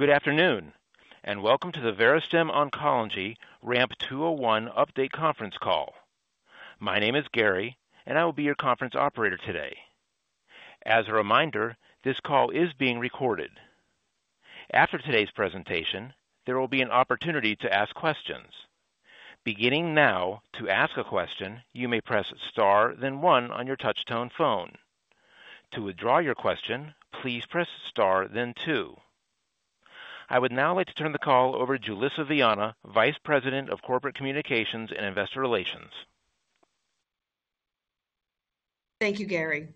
Good afternoon, and welcome to the Verastem Oncology RAMP 201 update conference call. My name is Gary, and I will be your conference operator today. As a reminder, this call is being recorded. After today's presentation, there will be an opportunity to ask questions. Beginning now, to ask a question, you may press star then one on your touchtone phone. To withdraw your question, please press star then two. I would now like to turn the call over to Julissa Viana, Vice President of Corporate Communications and Investor Relations. Thank you, Gary.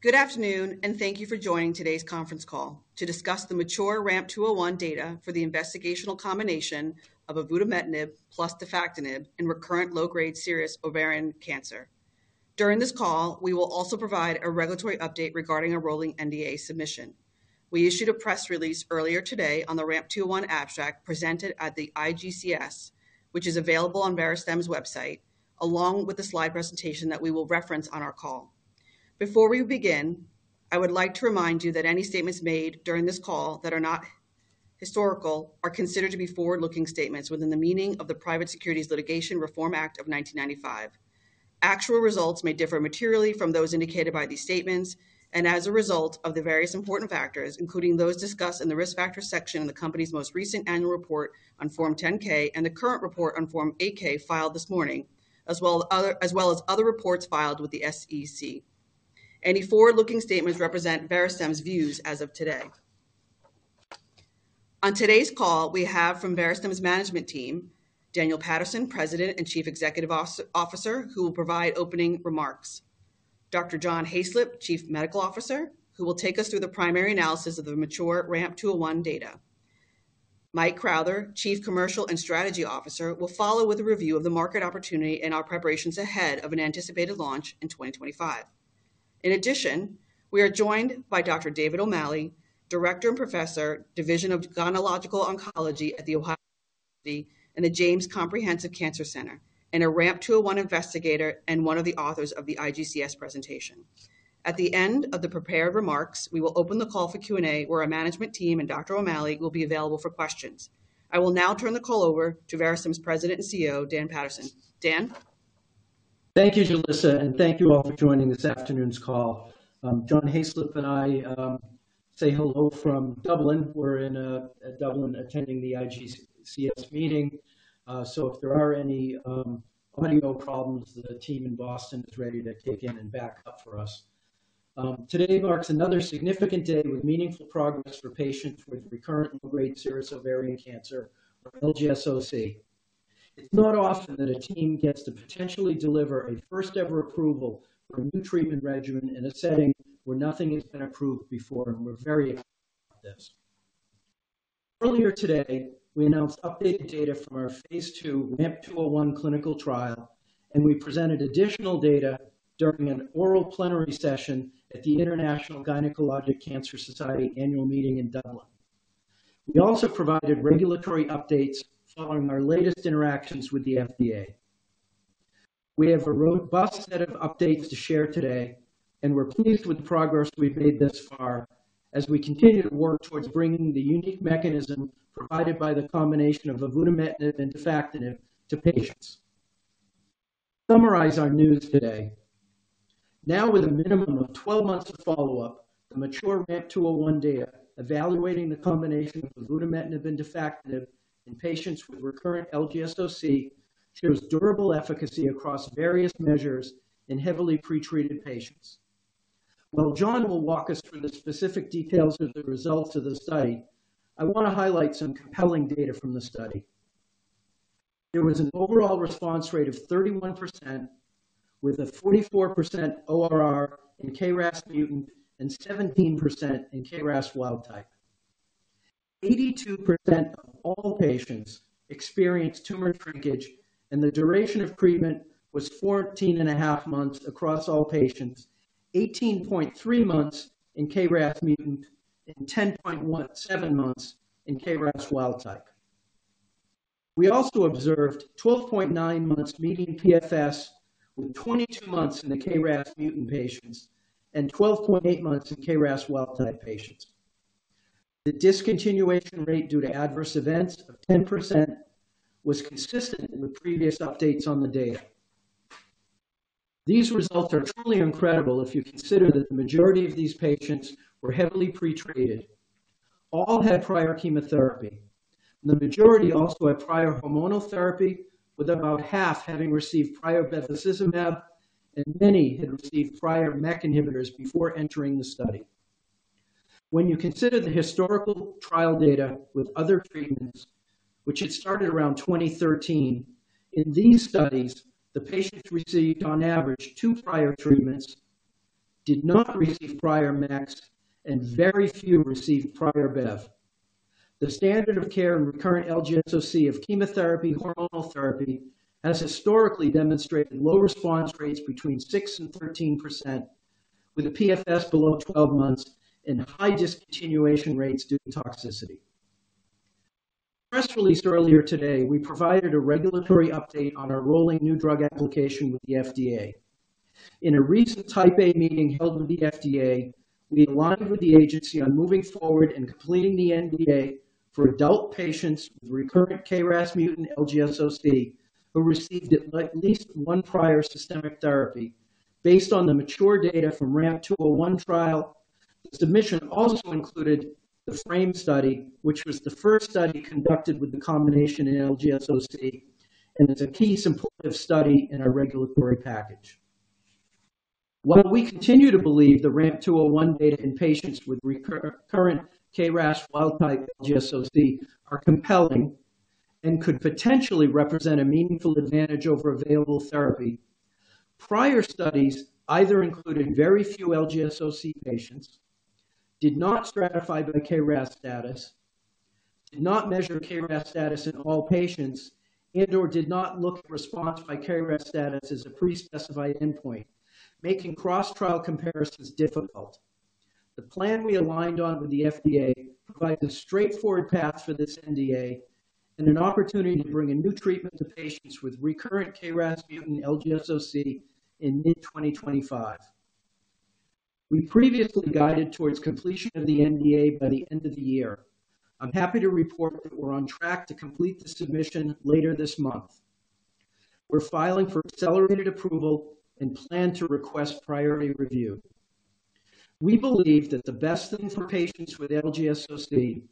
Good afternoon, and thank you for joining today's conference call to discuss the mature RAMP 201 data for the investigational combination of avutametnib plus defactinib in recurrent low-grade serous ovarian cancer. During this call, we will also provide a regulatory update regarding a rolling NDA submission. We issued a press release earlier today on the RAMP 201 abstract presented at the IGCS, which is available on Verastem's website, along with the slide presentation that we will reference on our call. Before we begin, I would like to remind you that any statements made during this call that are not historical are considered to be forward-looking statements within the meaning of the Private Securities Litigation Reform Act of 1995. Actual results may differ materially from those indicated by these statements and as a result of the various important factors, including those discussed in the Risk Factors section in the company's most recent annual report on Form 10-K and the current report on Form 8-K filed this morning, as well as other reports filed with the SEC. Any forward-looking statements represent Verastem's views as of today. On today's call, we have from Verastem's management team, Daniel Paterson, President and Chief Executive Officer, who will provide opening remarks. Dr. John Hayslip, Chief Medical Officer, who will take us through the primary analysis of the mature RAMP 201 data. Mike Crowther, Chief Commercial and Strategy Officer, will follow with a review of the market opportunity and our preparations ahead of an anticipated launch in 2025. In addition, we are joined by Dr. David O'Malley, Director and Professor, Division of Gynecologic Oncology at The Ohio State University and The James Comprehensive Cancer Center, and a RAMP 201 investigator and one of the authors of the IGCS presentation. At the end of the prepared remarks, we will open the call for Q&A, where our management team and Dr. O'Malley will be available for questions. I will now turn the call over to Verastem's President and CEO, Dan Paterson. Dan? Thank you, Julissa, and thank you all for joining this afternoon's call. John Hayslip and I say hello from Dublin. We're in Dublin, attending the IGCS meeting. If there are any audio problems, the team in Boston is ready to kick in and back up for us. Today marks another significant day with meaningful progress for patients with recurrent low-grade serous ovarian cancer, or LGSOC. It's not often that a team gets to potentially deliver a first-ever approval for a new treatment regimen in a setting where nothing has been approved before, and we're very excited about this. Earlier today, we announced updated data from our phase II RAMP 201 clinical trial, and we presented additional data during an oral plenary session at the International Gynecologic Cancer Society Annual Meeting in Dublin. We also provided regulatory updates following our latest interactions with the FDA. We have a robust set of updates to share today, and we're pleased with the progress we've made thus far as we continue to work towards bringing the unique mechanism provided by the combination of avutametnib and defactinib to patients. Summarize our news today. Now, with a minimum of twelve months of follow-up, the mature RAMP 201 data, evaluating the combination of avutametnib and Defactinib in patients with recurrent LGSOC, shows durable efficacy across various measures in heavily pretreated patients. While John will walk us through the specific details of the results of the study, I want to highlight some compelling data from the study. There was an overall response rate of 31%, with a 44% ORR in KRAS mutant and 17% in KRAS wild type. 82% of all patients experienced tumor shrinkage, and the duration of treatment was 14.5 months across all patients, 18.3 months in KRAS mutant, and 10.17 months in KRAS wild type. We also observed 12.9 months median PFS, with 22 months in the KRAS mutant patients and 12.8 months in KRAS wild type patients. The discontinuation rate due to adverse events of 10% was consistent with previous updates on the data. These results are truly incredible if you consider that the majority of these patients were heavily pretreated. All had prior chemotherapy. The majority also had prior hormonal therapy, with about half having received prior bevacizumab, and many had received prior MEK inhibitors before entering the study. When you consider the historical trial data with other treatments, which had started around 2013, in these studies, the patients received, on average, two prior treatments, did not receive prior MEKs, and very few received prior bev. The standard of care in recurrent LGSOC of chemotherapy, hormonal therapy, has historically demonstrated low response rates between 6% and 13%, with a PFS below 12 months and high discontinuation rates due to toxicity. Press release earlier today, we provided a regulatory update on our rolling new drug application with the FDA. In a recent Type A meeting held with the FDA, we aligned with the agency on moving forward and completing the NDA for adult patients with recurrent KRAS mutant LGSOC, who received at least one prior systemic therapy. Based on the mature data from RAMP 201 trial, the submission also included the FRAME study, which was the first study conducted with the combination in LGSOC, and is a key supportive study in our regulatory package. While we continue to believe the RAMP 201 data in patients with recurrent KRAS wild-type LGSOC are compelling and could potentially represent a meaningful advantage over available therapy, prior studies either included very few LGSOC patients, did not stratify by KRAS status, did not measure KRAS status in all patients, and/or did not look at response by KRAS status as a pre-specified endpoint, making cross-trial comparisons difficult. The plan we aligned on with the FDA provides a straightforward path for this NDA and an opportunity to bring a new treatment to patients with recurrent KRAS mutant LGSOC in mid-2025. We previously guided towards completion of the NDA by the end of the year. I'm happy to report that we're on track to complete the submission later this month. We're filing for accelerated approval and plan to request priority review. We believe that the best thing for patients with LGSOC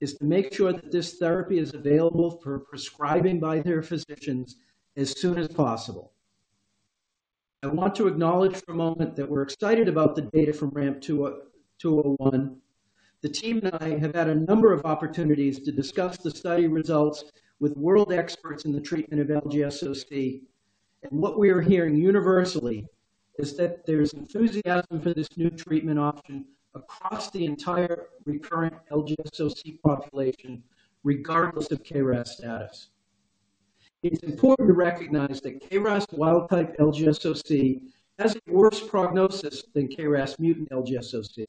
is to make sure that this therapy is available for prescribing by their physicians as soon as possible. I want to acknowledge for a moment that we're excited about the data from RAMP 201. The team and I have had a number of opportunities to discuss the study results with world experts in the treatment of LGSOC, and what we are hearing universally is that there's enthusiasm for this new treatment option across the entire recurrent LGSOC population, regardless of KRAS status. It's important to recognize that KRAS wild-type LGSOC has a worse prognosis than KRAS mutant LGSOC.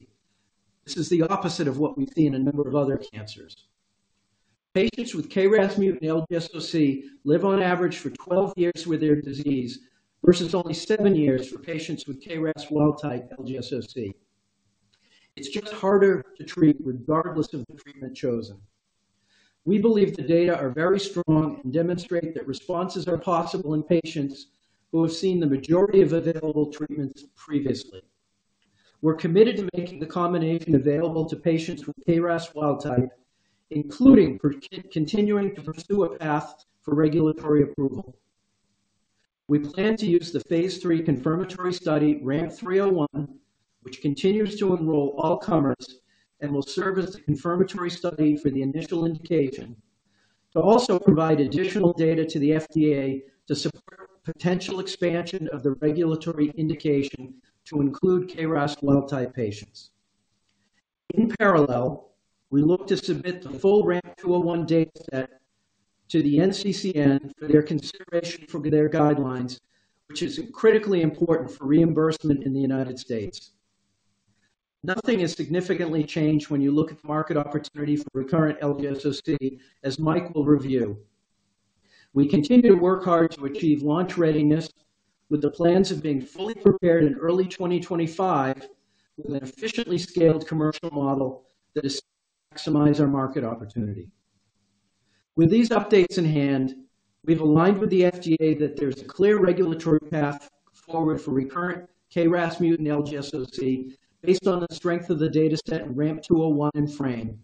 This is the opposite of what we've seen in a number of other cancers. Patients with KRAS mutant LGSOC live on average for 12 years with their disease, versus only 7 years for patients with KRAS wild-type LGSOC. It's just harder to treat regardless of the treatment chosen. We believe the data are very strong and demonstrate that responses are possible in patients who have seen the majority of available treatments previously. We're committed to making the combination available to patients with KRAS wild-type, including continuing to pursue a path for regulatory approval. We plan to use the phase III confirmatory study, RAMP 301, which continues to enroll all comers and will serve as the confirmatory study for the initial indication, to also provide additional data to the FDA to support potential expansion of the regulatory indication to include KRAS wild-type patients. In parallel, we look to submit the full RAMP 201 dataset to the NCCN for their consideration for their guidelines, which is critically important for reimbursement in the United States. Nothing has significantly changed when you look at the market opportunity for recurrent LGSOC, as Mike will review. We continue to work hard to achieve launch readiness, with the plans of being fully prepared in early 2025, with an efficiently scaled commercial model that is maximize our market opportunity. With these updates in hand, we've aligned with the FDA that there's a clear regulatory path forward for recurrent KRAS mutant LGSOC, based on the strength of the dataset in RAMP 201 and FRAME.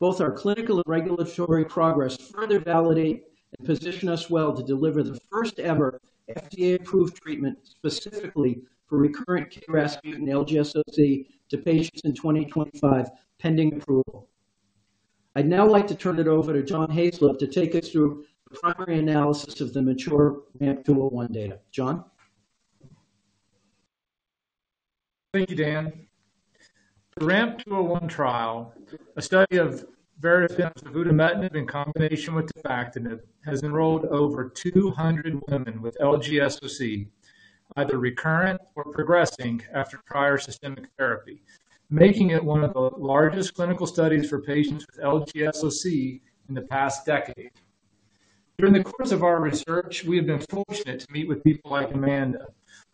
Both our clinical and regulatory progress further validate and position us well to deliver the first-ever FDA-approved treatment specifically for recurrent KRAS mutant LGSOC to patients in 2025, pending approval. I'd now like to turn it over to John Hayslip to take us through the primary analysis of the mature RAMP 201 data. John? Thank you, Dan. The RAMP 201 trial, a study of avutametnib in combination with defactinib, has enrolled over 200 women with LGSOC, either recurrent or progressing after prior systemic therapy, making it one of the largest clinical studies for patients with LGSOC in the past decade. During the course of our research, we have been fortunate to meet with people like Amanda,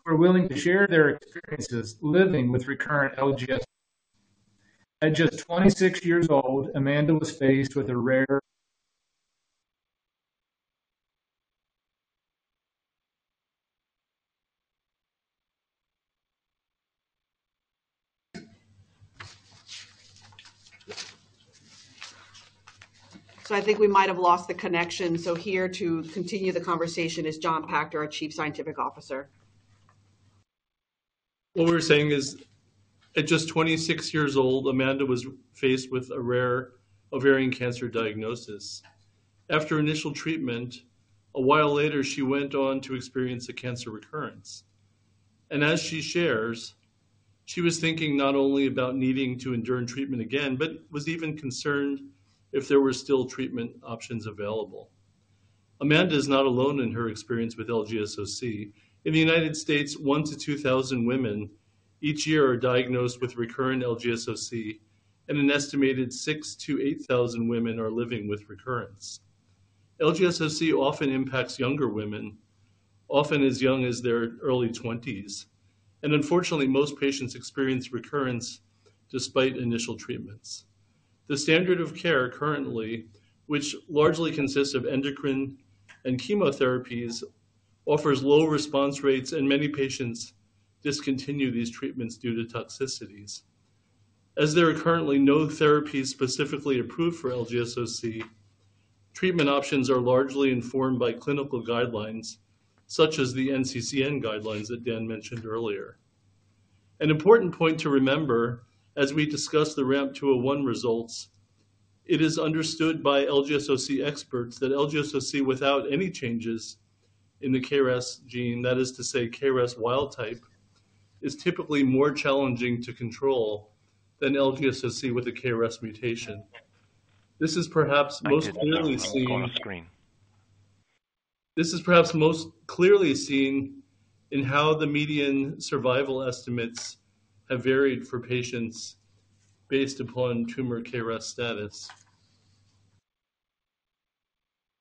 who are willing to share their experiences living with recurrent LGSOC. At just 26 years old, Amanda was faced with a rare- So I think we might have lost the connection. So here to continue the conversation is Jonathan Pachter, our Chief Scientific Officer. What we're saying is, at just 26 years old, Amanda was faced with a rare ovarian cancer diagnosis. After initial treatment, a while later, she went on to experience a cancer recurrence, and as she shares, she was thinking not only about needing to endure treatment again, but was even concerned if there were still treatment options available.... Amanda is not alone in her experience with LGSOC. In the United States, 1-2 thousand women each year are diagnosed with recurrent LGSOC, and an estimated 6-8 thousand women are living with recurrence. LGSOC often impacts younger women, often as young as their early twenties, and unfortunately, most patients experience recurrence despite initial treatments. The standard of care currently, which largely consists of endocrine and chemotherapies, offers low response rates, and many patients discontinue these treatments due to toxicities. As there are currently no therapies specifically approved for LGSOC, treatment options are largely informed by clinical guidelines, such as the NCCN guidelines that Dan mentioned earlier. An important point to remember as we discuss the RAMP 201 results, it is understood by LGSOC experts that LGSOC, without any changes in the KRAS gene, that is to say, KRAS wild-type, is typically more challenging to control than LGSOC with a KRAS mutation. This is perhaps most clearly seen- On screen. This is perhaps most clearly seen in how the median survival estimates have varied for patients based upon tumor KRAS status.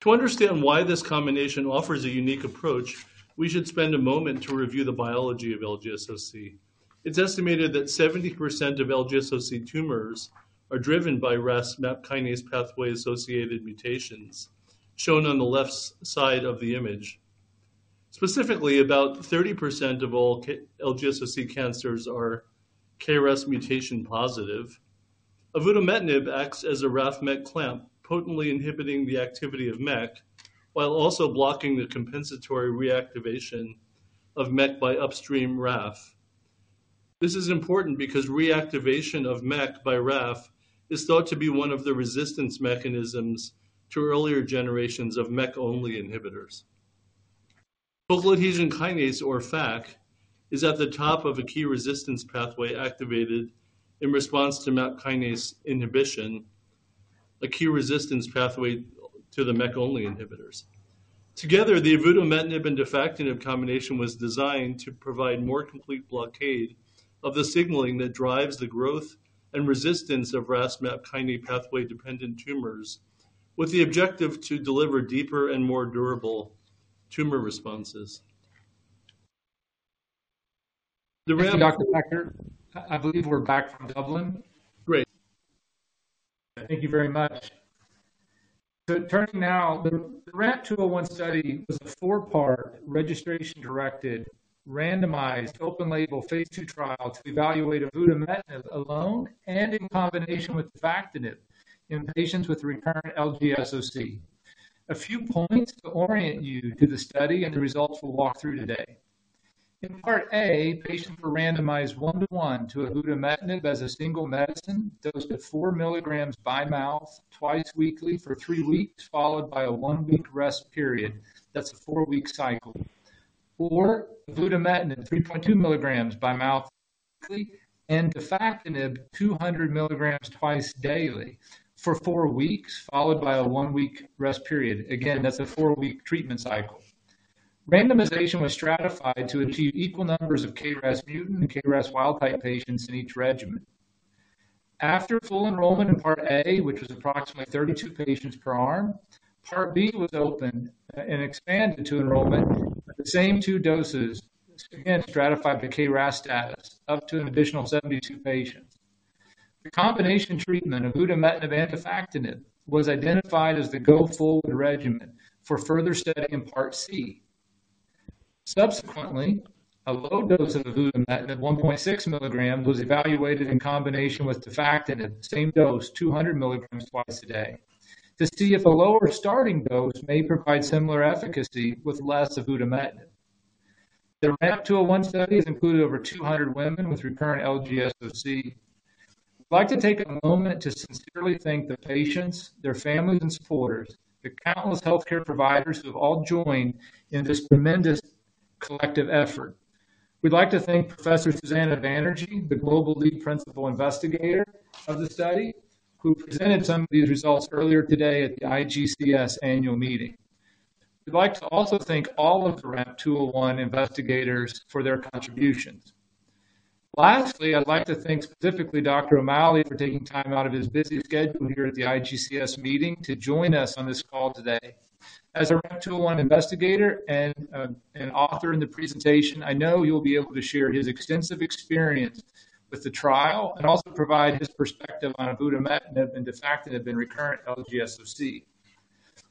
To understand why this combination offers a unique approach, we should spend a moment to review the biology of LGSOC. It's estimated that 70% of LGSOC tumors are driven by RAS MAP kinase pathway-associated mutations, shown on the left side of the image. Specifically, about 30% of all LGSOC cancers are KRAS mutation positive. avutametnib acts as a RAF/MEK clamp, potently inhibiting the activity of MEK while also blocking the compensatory reactivation of MEK by upstream RAF. This is important because reactivation of MEK by RAF is thought to be one of the resistance mechanisms to earlier generations of MEK-only inhibitors. Focal Adhesion Kinase, or FAK, is at the top of a key resistance pathway activated in response to MAP kinase inhibition, a key resistance pathway to the MEK-only inhibitors. Together, the avutametnib and defactinib combination was designed to provide more complete blockade of the signaling that drives the growth and resistance of RAS MAP kinase pathway-dependent tumors, with the objective to deliver deeper and more durable tumor responses. The RAMP- Dr. Pachter, I believe we're back from Dublin. Great. Thank you very much. So turning now, the RAMP 201 study was a four-part, registration-directed, randomized, open-label, phase II trial to evaluate avutametnib alone and in combination with defactinib in patients with recurrent LGSOC. A few points to orient you to the study and the results we'll walk through today. In Part A, patients were randomized one to one to avutametnib as a single medicine, dosed at four milligrams by mouth twice weekly for three weeks, followed by a one-week rest period. That's a four-week cycle. Or avutametnib, three point two milligrams by mouth weekly, and defactinib, two hundred milligrams twice daily for four weeks, followed by a one-week rest period. Again, that's a four-week treatment cycle. Randomization was stratified to achieve equal numbers of KRAS mutant and KRAS wild-type patients in each regimen. After full enrollment in Part A, which was approximately 32 patients per arm, Part B was opened and expanded to enrollment. The same two doses, again, stratified to KRAS status, up to an additional 72 patients. The combination treatment, avutametnib and defactinib, was identified as the go-forward regimen for further study in Part C. Subsequently, a low dose of avutametnib, 1.6 milligrams, was evaluated in combination with defactinib, same dose, 200 milligrams twice a day, to see if a lower starting dose may provide similar efficacy with less avutametnib. The RAMP201 study has included over 200 women with recurrent LGSOC. I'd like to take a moment to sincerely thank the patients, their families and supporters, the countless healthcare providers who have all joined in this tremendous collective effort. We'd like to thank Professor Susana Banerjee, the Global Lead Principal Investigator of the study, who presented some of these results earlier today at the IGCS annual meeting. We'd like to also thank all of the RAMP 201 investigators for their contributions. Lastly, I'd like to thank specifically Dr. O'Malley for taking time out of his busy schedule here at the IGCS meeting to join us on this call today. As a RAMP 201 investigator and an author in the presentation, I know he'll be able to share his extensive experience with the trial and also provide his perspective on avutametnib and defactinib in recurrent LGSOC.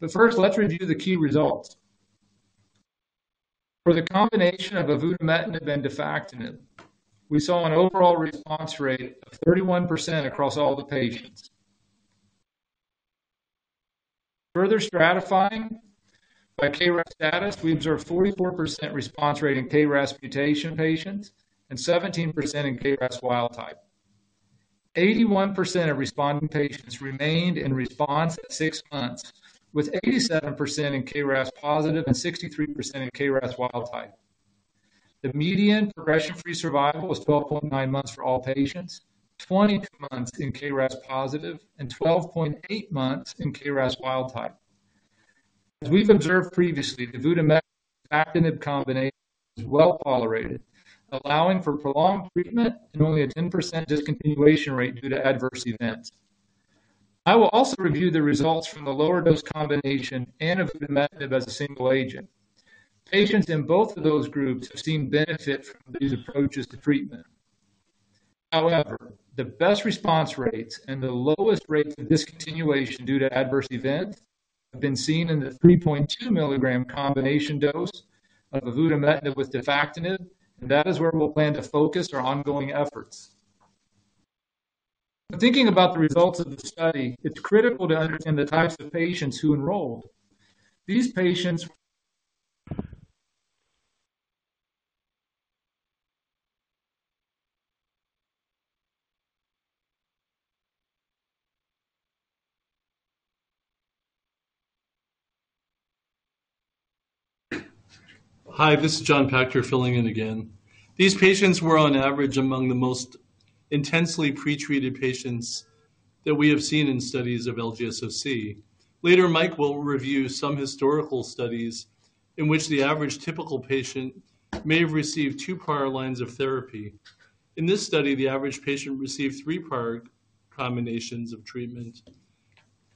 But first, let's review the key results. For the combination of avutametnib and Defactinib, we saw an overall response rate of 31% across all the patients. Further stratifying by KRAS status, we observed 44% response rate in KRAS mutation patients and 17% in KRAS wild type. Eighty-one percent of responding patients remained in response at six months, with 87% in KRAS positive and 63% in KRAS wild type. The median progression-free survival was 12.9 months for all patients, 20 months in KRAS-positive, and 12.8 months in KRAS wild-type. As we've observed previously, the avutametnib Defactinib combination is well tolerated, allowing for prolonged treatment and only a 10% discontinuation rate due to adverse events. I will also review the results from the lower dose combination and of avutametnib as a single agent. Patients in both of those groups have seen benefit from these approaches to treatment. However, the best response rates and the lowest rates of discontinuation due to adverse events have been seen in the 3.2 mg combination dose of avutametnib with Defactinib, and that is where we'll plan to focus our ongoing efforts. When thinking about the results of the study, it's critical to understand the types of patients who enrolled. These patients. Hi, this is Jonathan Pachter filling in again. These patients were on average, among the most intensely pretreated patients that we have seen in studies of LGSOC. Later, Mike will review some historical studies in which the average typical patient may have received two prior lines of therapy. In this study, the average patient received three prior combinations of treatment.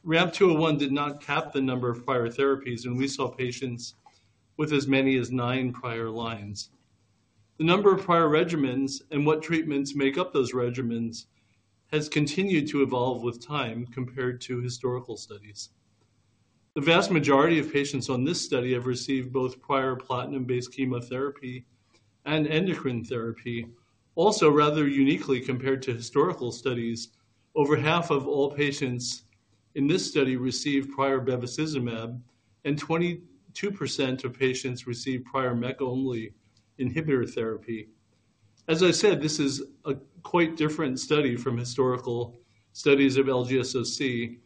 RAMP 201 did not cap the number of prior therapies, and we saw patients with as many as nine prior lines. The number of prior regimens and what treatments make up those regimens has continued to evolve with time compared to historical studies. The vast majority of patients on this study have received both prior platinum-based chemotherapy and endocrine therapy. Also, rather uniquely compared to historical studies, over half of all patients in this study received prior bevacizumab, and 22% of patients received prior MEK only inhibitor therapy. As I said, this is a quite different study from historical studies of LGSOC,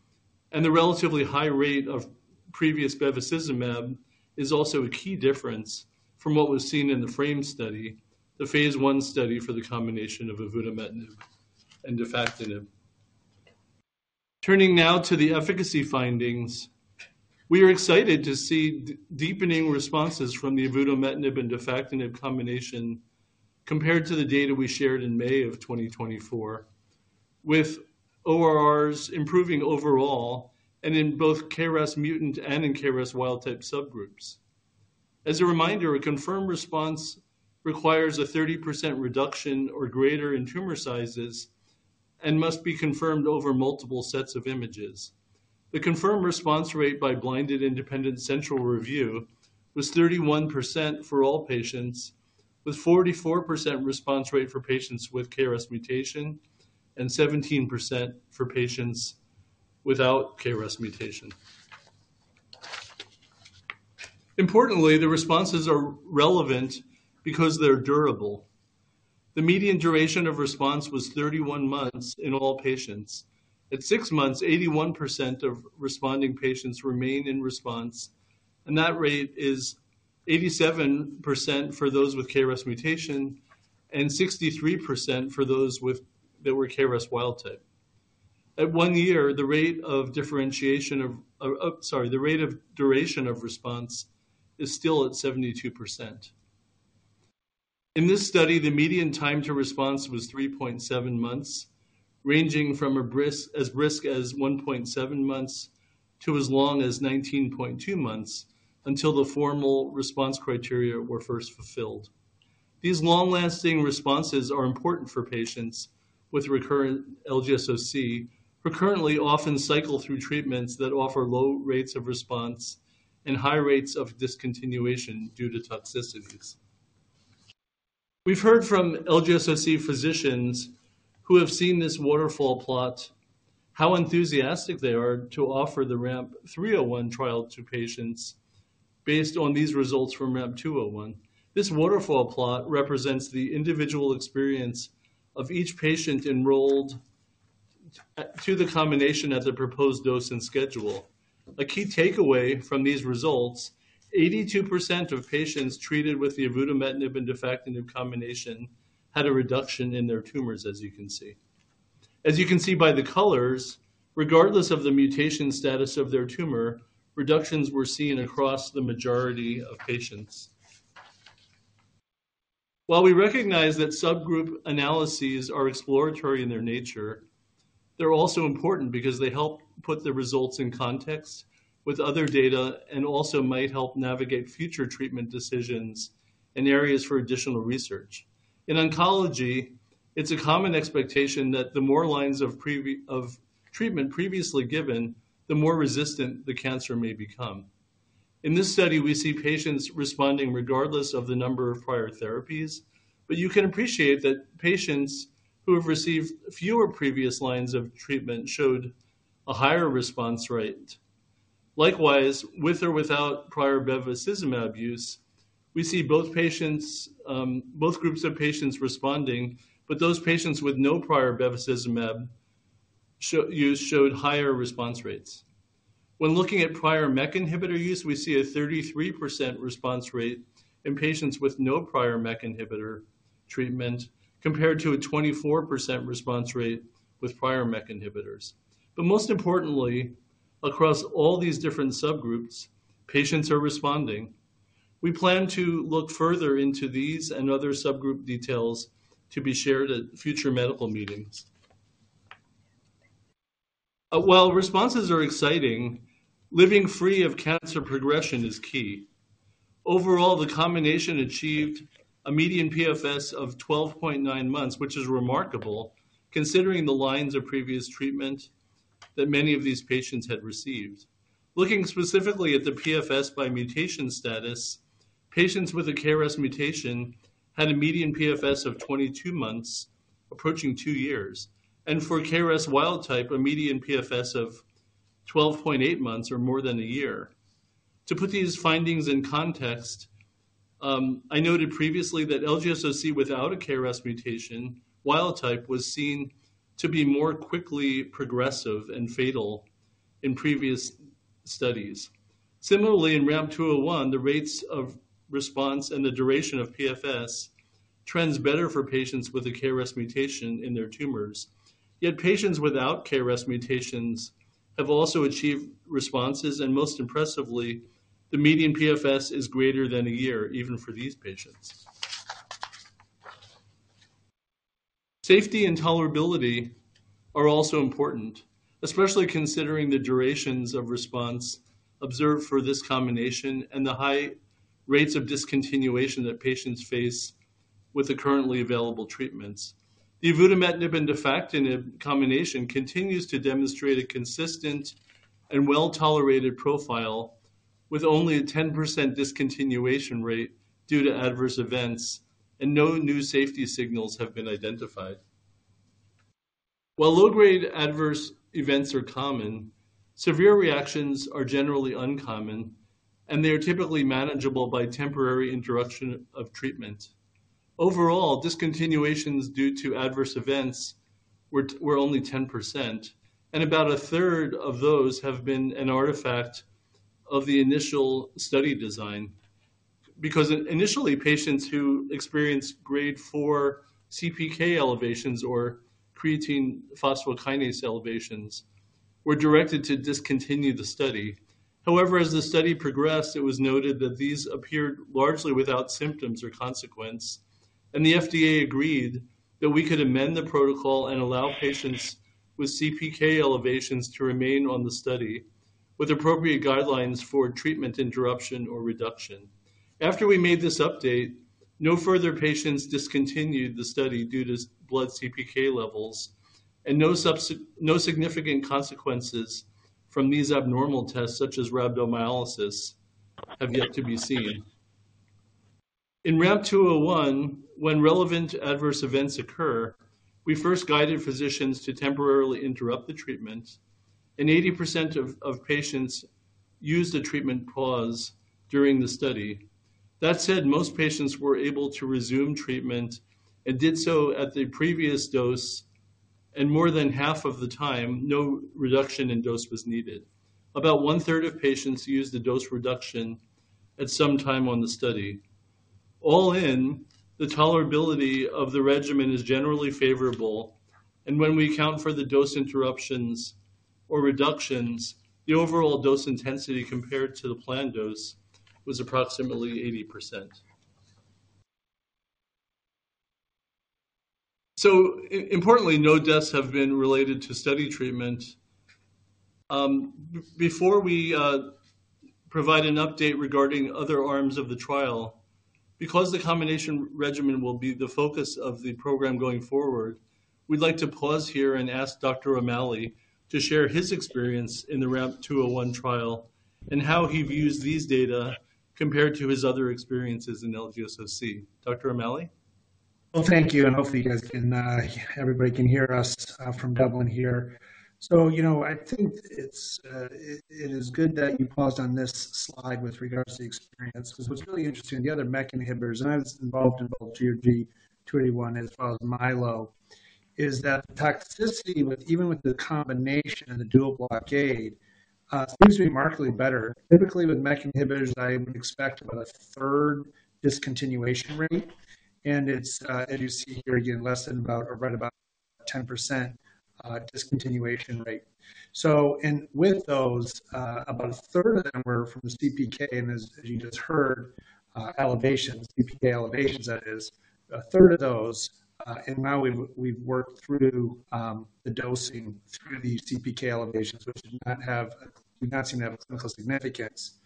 and the relatively high rate of previous bevacizumab is also a key difference from what was seen in the FRAME study, the phase I study for the combination of avutametnib and defactinib. Turning now to the efficacy findings, we are excited to see deepening responses from the avutametnib and defactinib combination compared to the data we shared in May of 2024, with ORRs improving overall and in both KRAS mutant and in KRAS wild-type subgroups. As a reminder, a confirmed response requires a 30% reduction or greater in tumor sizes and must be confirmed over multiple sets of images. The confirmed response rate by blinded independent central review was 31% for all patients, with 44% response rate for patients with KRAS mutation and 17% for patients without KRAS mutation. Importantly, the responses are relevant because they're durable. The median duration of response was 31 months in all patients. At six months, 81% of responding patients remained in response, and that rate is 87% for those with KRAS mutation and 63% for those that were KRAS wild type. At one year, the rate of duration of response is still at 72%. In this study, the median time to response was 3.7 months, ranging from as brisk as 1.7 months to as long as 19.2 months until the formal response criteria were first fulfilled. These long-lasting responses are important for patients with recurrent LGSOC, who currently often cycle through treatments that offer low rates of response and high rates of discontinuation due to toxicities. We've heard from LGSOC physicians who have seen this waterfall plot, how enthusiastic they are to offer the RAMP 301 trial to patients based on these results from RAMP 201. This waterfall plot represents the individual experience of each patient enrolled to the combination at the proposed dose and schedule. A key takeaway from these results, 82% of patients treated with the avutametnib and defactinib combination had a reduction in their tumors, as you can see. As you can see by the colors, regardless of the mutation status of their tumor, reductions were seen across the majority of patients. While we recognize that subgroup analyses are exploratory in their nature, they're also important because they help put the results in context with other data and also might help navigate future treatment decisions and areas for additional research. In oncology, it's a common expectation that the more lines of previous treatment previously given, the more resistant the cancer may become. In this study, we see patients responding regardless of the number of prior therapies, but you can appreciate that patients who have received fewer previous lines of treatment showed a higher response rate. Likewise, with or without prior bevacizumab use, we see both patients, both groups of patients responding, but those patients with no prior bevacizumab use showed higher response rates. When looking at prior MEK inhibitor use, we see a 33% response rate in patients with no prior MEK inhibitor treatment, compared to a 24% response rate with prior MEK inhibitors. But most importantly, across all these different subgroups, patients are responding. We plan to look further into these and other subgroup details to be shared at future medical meetings. While responses are exciting, living free of cancer progression is key. Overall, the combination achieved a median PFS of 12.9 months, which is remarkable considering the lines of previous treatment that many of these patients had received. Looking specifically at the PFS by mutation status, patients with a KRAS mutation had a median PFS of 22 months, approaching 2 years, and for KRAS wild type, a median PFS of 12.8 months or more than a year. To put these findings in context, I noted previously that LGSOC without a KRAS mutation, wild type was seen to be more quickly progressive and fatal in previous studies. Similarly, in RAMP 201, the rates of response and the duration of PFS trends better for patients with a KRAS mutation in their tumors. Yet patients without KRAS mutations have also achieved responses, and most impressively, the median PFS is greater than a year even for these patients. Safety and tolerability are also important, especially considering the durations of response observed for this combination and the high rates of discontinuation that patients face with the currently available treatments. The avutametnib and defactinib combination continues to demonstrate a consistent and well-tolerated profile with only a 10% discontinuation rate due to adverse events, and no new safety signals have been identified. While low-grade adverse events are common, severe reactions are generally uncommon, and they are typically manageable by temporary interruption of treatment. Overall, discontinuations due to adverse events were only 10%, and about a third of those have been an artifact of the initial study design. Because initially, patients who experienced grade four CPK elevations or creatine phosphokinase elevations were directed to discontinue the study. However, as the study progressed, it was noted that these appeared largely without symptoms or consequence, and the FDA agreed that we could amend the protocol and allow patients with CPK elevations to remain on the study, with appropriate guidelines for treatment interruption or reduction. After we made this update, no further patients discontinued the study due to blood CPK levels, and no significant consequences from these abnormal tests, such as rhabdomyolysis, have yet to be seen. In RAMP 201, when relevant adverse events occur, we first guided physicians to temporarily interrupt the treatment, and 80% of patients used a treatment pause during the study. That said, most patients were able to resume treatment and did so at the previous dose, and more than half of the time, no reduction in dose was needed. About one-third of patients used a dose reduction at some time on the study. All in, the tolerability of the regimen is generally favorable, and when we account for the dose interruptions or reductions, the overall dose intensity compared to the planned dose was approximately 80%. So importantly, no deaths have been related to study treatment. Before we provide an update regarding other arms of the trial, because the combination regimen will be the focus of the program going forward, we'd like to pause here and ask Dr. O'Malley to share his experience in the RAMP 201 trial and how he views these data compared to his other experiences in LGSOC. Dr. O'Malley? Well, thank you, and hopefully you guys can, everybody can hear us, from Dublin here. So, you know, I think it's, it is good that you paused on this slide with regards to experience, because what's really interesting, the other MEK inhibitors, and I was involved in both GOG-281 as well as MILO, is that the toxicity with even with the combination and the dual blockade, seems to be markedly better. Typically, with MEK inhibitors, I would expect about a third discontinuation rate, and it's, as you see here, again, less than about or right about 10%, discontinuation rate. With those, about a third of them were from CPK, and as you just heard, elevations, CPK elevations, that is, a third of those, and now we've worked through the dosing through these CPK elevations, which do not seem to have clinical significance.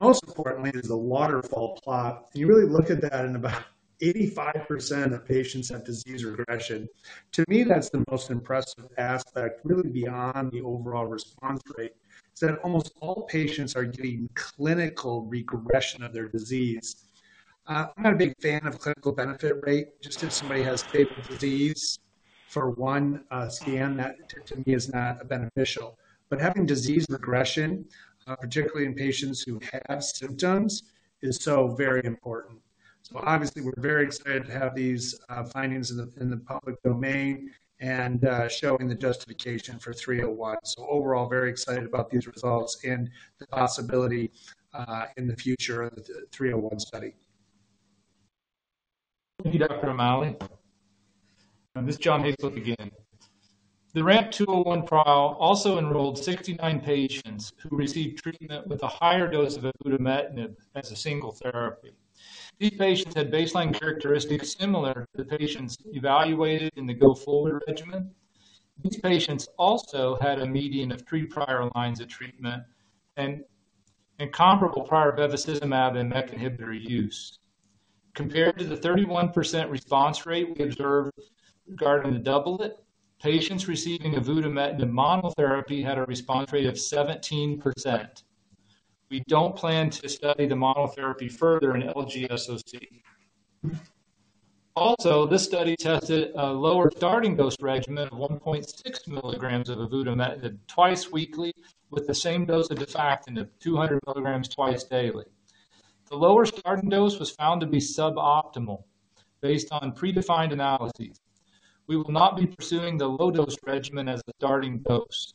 Most importantly is the waterfall plot. If you really look at that, in about 85% of patients have disease regression. To me, that's the most impressive aspect, really beyond the overall response rate, is that almost all patients are getting clinical regression of their disease. I'm not a big fan of clinical benefit rate. Just if somebody has stable disease for one scan, that to me is not beneficial. But having disease regression, particularly in patients who have symptoms, is so very important. So obviously, we're very excited to have these findings in the public domain and showing the justification for 301. So overall, very excited about these results and the possibility in the future of the 301 study.... Thank you, Dr. O'Malley. This is John Hayslip again. The RAMP 201 trial also enrolled 69 patients who received treatment with a higher dose of avutametnib as a single therapy. These patients had baseline characteristics similar to the patients evaluated in the go-forward regimen. These patients also had a median of three prior lines of treatment and comparable prior Bevacizumab and MEK inhibitor use. Compared to the 31% response rate we observed regarding the doublet, patients receiving avutametnib monotherapy had a response rate of 17%. We don't plan to study the monotherapy further in LGSOC. Also, this study tested a lower starting dose regimen of 1.6 milligrams of avutametnib twice weekly, with the same dose of Defactinib, 200 milligrams twice daily. The lower starting dose was found to be suboptimal based on predefined analyses. We will not be pursuing the low-dose regimen as a starting dose.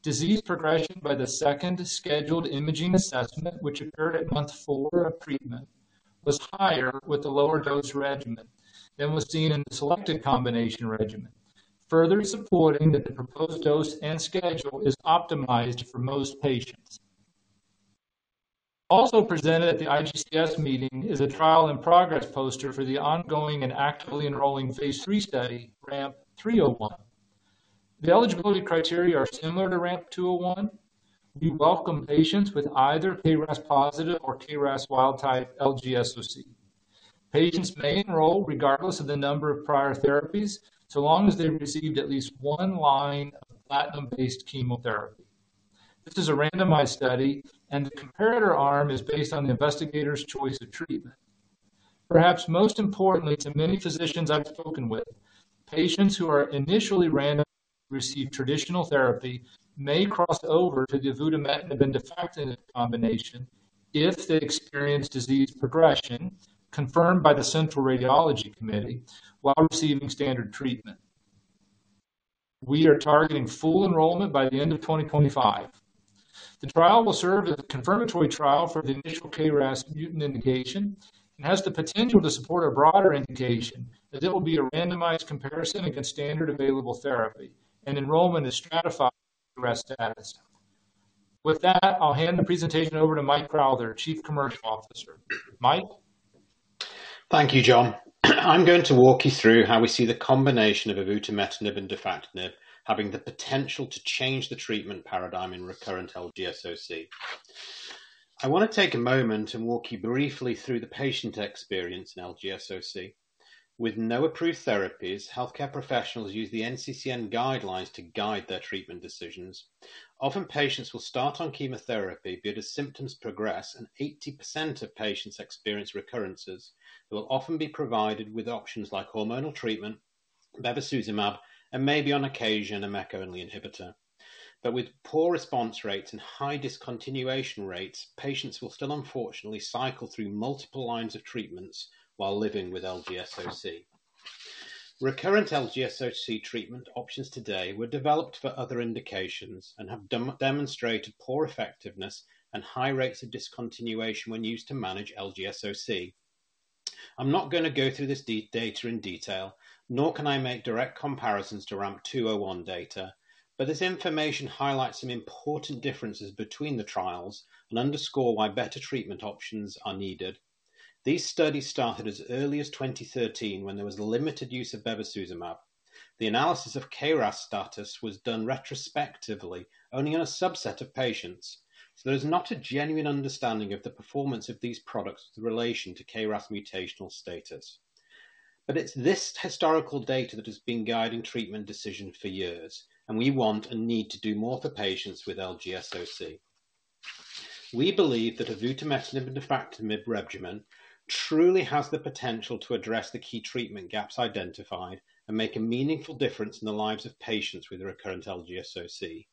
Disease progression by the second scheduled imaging assessment, which occurred at month four of treatment, was higher with the lower dose regimen than was seen in the selected combination regimen, further supporting that the proposed dose and schedule is optimized for most patients. Also presented at the IGCS meeting is a trial and progress poster for the ongoing and actively enrolling phase III study, RAMP 301. The eligibility criteria are similar to RAMP 201. We welcome patients with either KRAS positive or KRAS wild-type LGSOC. Patients may enroll regardless of the number of prior therapies, so long as they've received at least one line of platinum-based chemotherapy. This is a randomized study, and the comparator arm is based on the investigator's choice of treatment. Perhaps most importantly, to many physicians I've spoken with, patients who are initially randomized to receive traditional therapy may cross over to the avutametnib and defactinib combination if they experience disease progression confirmed by the Central Radiology Committee while receiving standard treatment. We are targeting full enrollment by the end of 2025. The trial will serve as a confirmatory trial for the initial KRAS mutant indication and has the potential to support a broader indication, as it will be a randomized comparison against standard available therapy, and enrollment is stratified by KRAS status. With that, I'll hand the presentation over to Mike Crowther, Chief Commercial Officer. Mike? Thank you, John. I'm going to walk you through how we see the combination of avutametnib and defactinib having the potential to change the treatment paradigm in recurrent LGSOC. I want to take a moment and walk you briefly through the patient experience in LGSOC. With no approved therapies, healthcare professionals use the NCCN guidelines to guide their treatment decisions. Often, patients will start on chemotherapy, but as symptoms progress and 80% of patients experience recurrences, they will often be provided with options like hormonal treatment, bevacizumab, and maybe on occasion, a MEK only inhibitor. But with poor response rates and high discontinuation rates, patients will still unfortunately cycle through multiple lines of treatments while living with LGSOC. Recurrent LGSOC treatment options today were developed for other indications and have demonstrated poor effectiveness and high rates of discontinuation when used to manage LGSOC. I'm not going to go through this data in detail, nor can I make direct comparisons to RAMP 201 data, but this information highlights some important differences between the trials and underscore why better treatment options are needed. These studies started as early as 2013, when there was limited use of bevacizumab. The analysis of KRAS status was done retrospectively, only in a subset of patients. So there's not a genuine understanding of the performance of these products in relation to KRAS mutational status. But it's this historical data that has been guiding treatment decisions for years, and we want and need to do more for patients with LGSOC. We believe that avutametnib and defactinib regimen truly has the potential to address the key treatment gaps identified and make a meaningful difference in the lives of patients with recurrent LGSOC.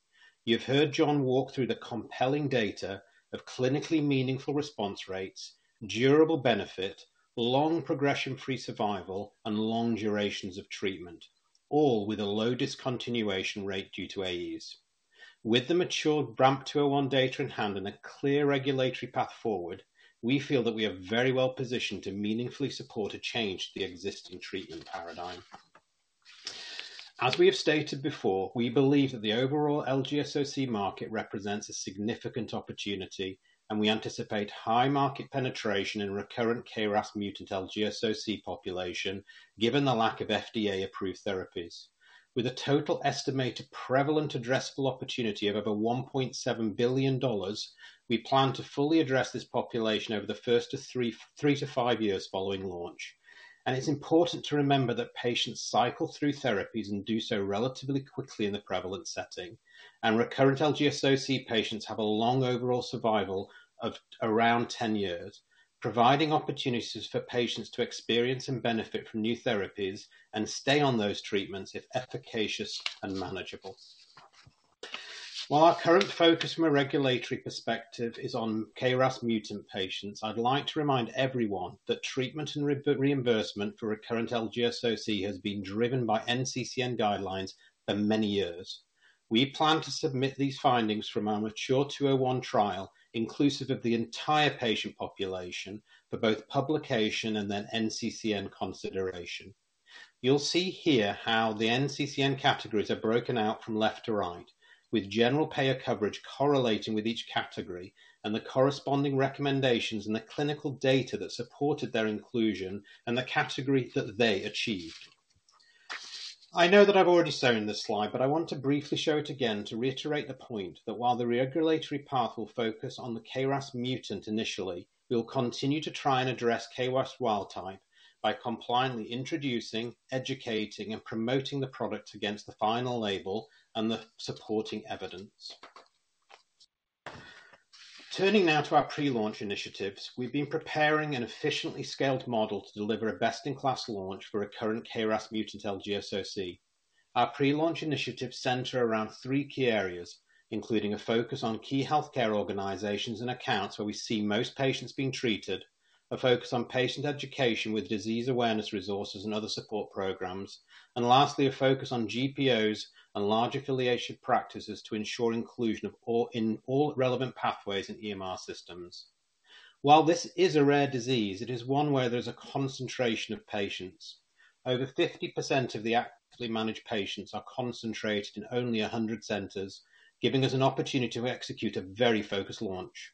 You've heard John walk through the compelling data of clinically meaningful response rates, durable benefit, long progression-free survival, and long durations of treatment, all with a low discontinuation rate due to AEs. With the matured RAMP 201 data in hand and a clear regulatory path forward, we feel that we are very well positioned to meaningfully support a change to the existing treatment paradigm. As we have stated before, we believe that the overall LGSOC market represents a significant opportunity, and we anticipate high market penetration in recurrent KRAS mutant LGSOC population, given the lack of FDA-approved therapies. With a total estimated prevalent addressable opportunity of over $1.7 billion, we plan to fully address this population over the first of three, 3-5 years following launch. It's important to remember that patients cycle through therapies and do so relatively quickly in the prevalent setting. Recurrent LGSOC patients have a long overall survival of around 10 years, providing opportunities for patients to experience and benefit from new therapies and stay on those treatments if efficacious and manageable. While our current focus from a regulatory perspective is on KRAS mutant patients, I'd like to remind everyone that treatment and reimbursement for recurrent LGSOC has been driven by NCCN guidelines for many years. We plan to submit these findings from our mature 201 trial, inclusive of the entire patient population, for both publication and then NCCN consideration. You'll see here how the NCCN categories are broken out from left to right, with general payer coverage correlating with each category and the corresponding recommendations and the clinical data that supported their inclusion and the category that they achieved. I know that I've already shown this slide, but I want to briefly show it again to reiterate the point that while the regulatory path will focus on the KRAS mutant initially, we will continue to try and address KRAS wild-type by compliantly introducing, educating, and promoting the product against the final label and the supporting evidence. Turning now to our pre-launch initiatives, we've been preparing an efficiently scaled model to deliver a best-in-class launch for a current KRAS mutant LGSOC. Our pre-launch initiatives center around three key areas, including a focus on key healthcare organizations and accounts where we see most patients being treated, a focus on patient education with disease awareness resources and other support programs, and lastly, a focus on GPOs and large affiliation practices to ensure inclusion of all in all relevant pathways and EMR systems. While this is a rare disease, it is one where there's a concentration of patients. Over 50% of the actively managed patients are concentrated in only 100 centers, giving us an opportunity to execute a very focused launch.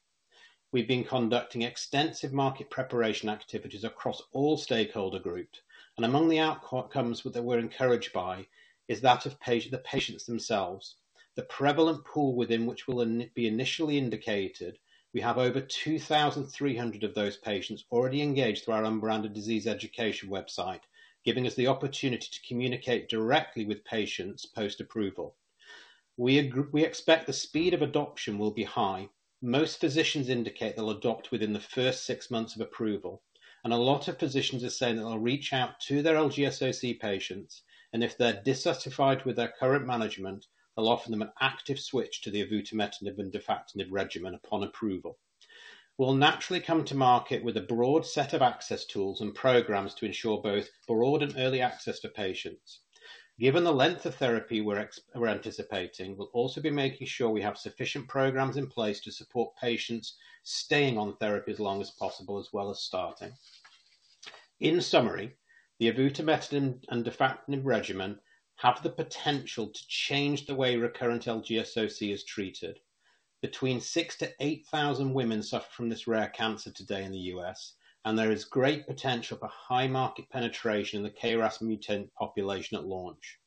We've been conducting extensive market preparation activities across all stakeholder groups, and among the outcomes that we're encouraged by is that of the patients themselves, the prevalent pool within which will be initially indicated. We have over 2,300 of those patients already engaged through our unbranded disease education website, giving us the opportunity to communicate directly with patients post-approval. We expect the speed of adoption will be high. Most physicians indicate they'll adopt within the first six months of approval, and a lot of physicians are saying that they'll reach out to their LGSOC patients, and if they're dissatisfied with their current management, they'll offer them an active switch to the avutametnib and Defactinib regimen upon approval. We'll naturally come to market with a broad set of access tools and programs to ensure both broad and early access to patients. Given the length of therapy we're anticipating, we'll also be making sure we have sufficient programs in place to support patients staying on therapy as long as possible, as well as starting. In summary, the avutametnib and defactinib regimen have the potential to change the way recurrent LGSOC is treated. Between six to eight thousand women suffer from this rare cancer today in the U.S., and there is great potential for high market penetration in the KRAS mutant population at launch.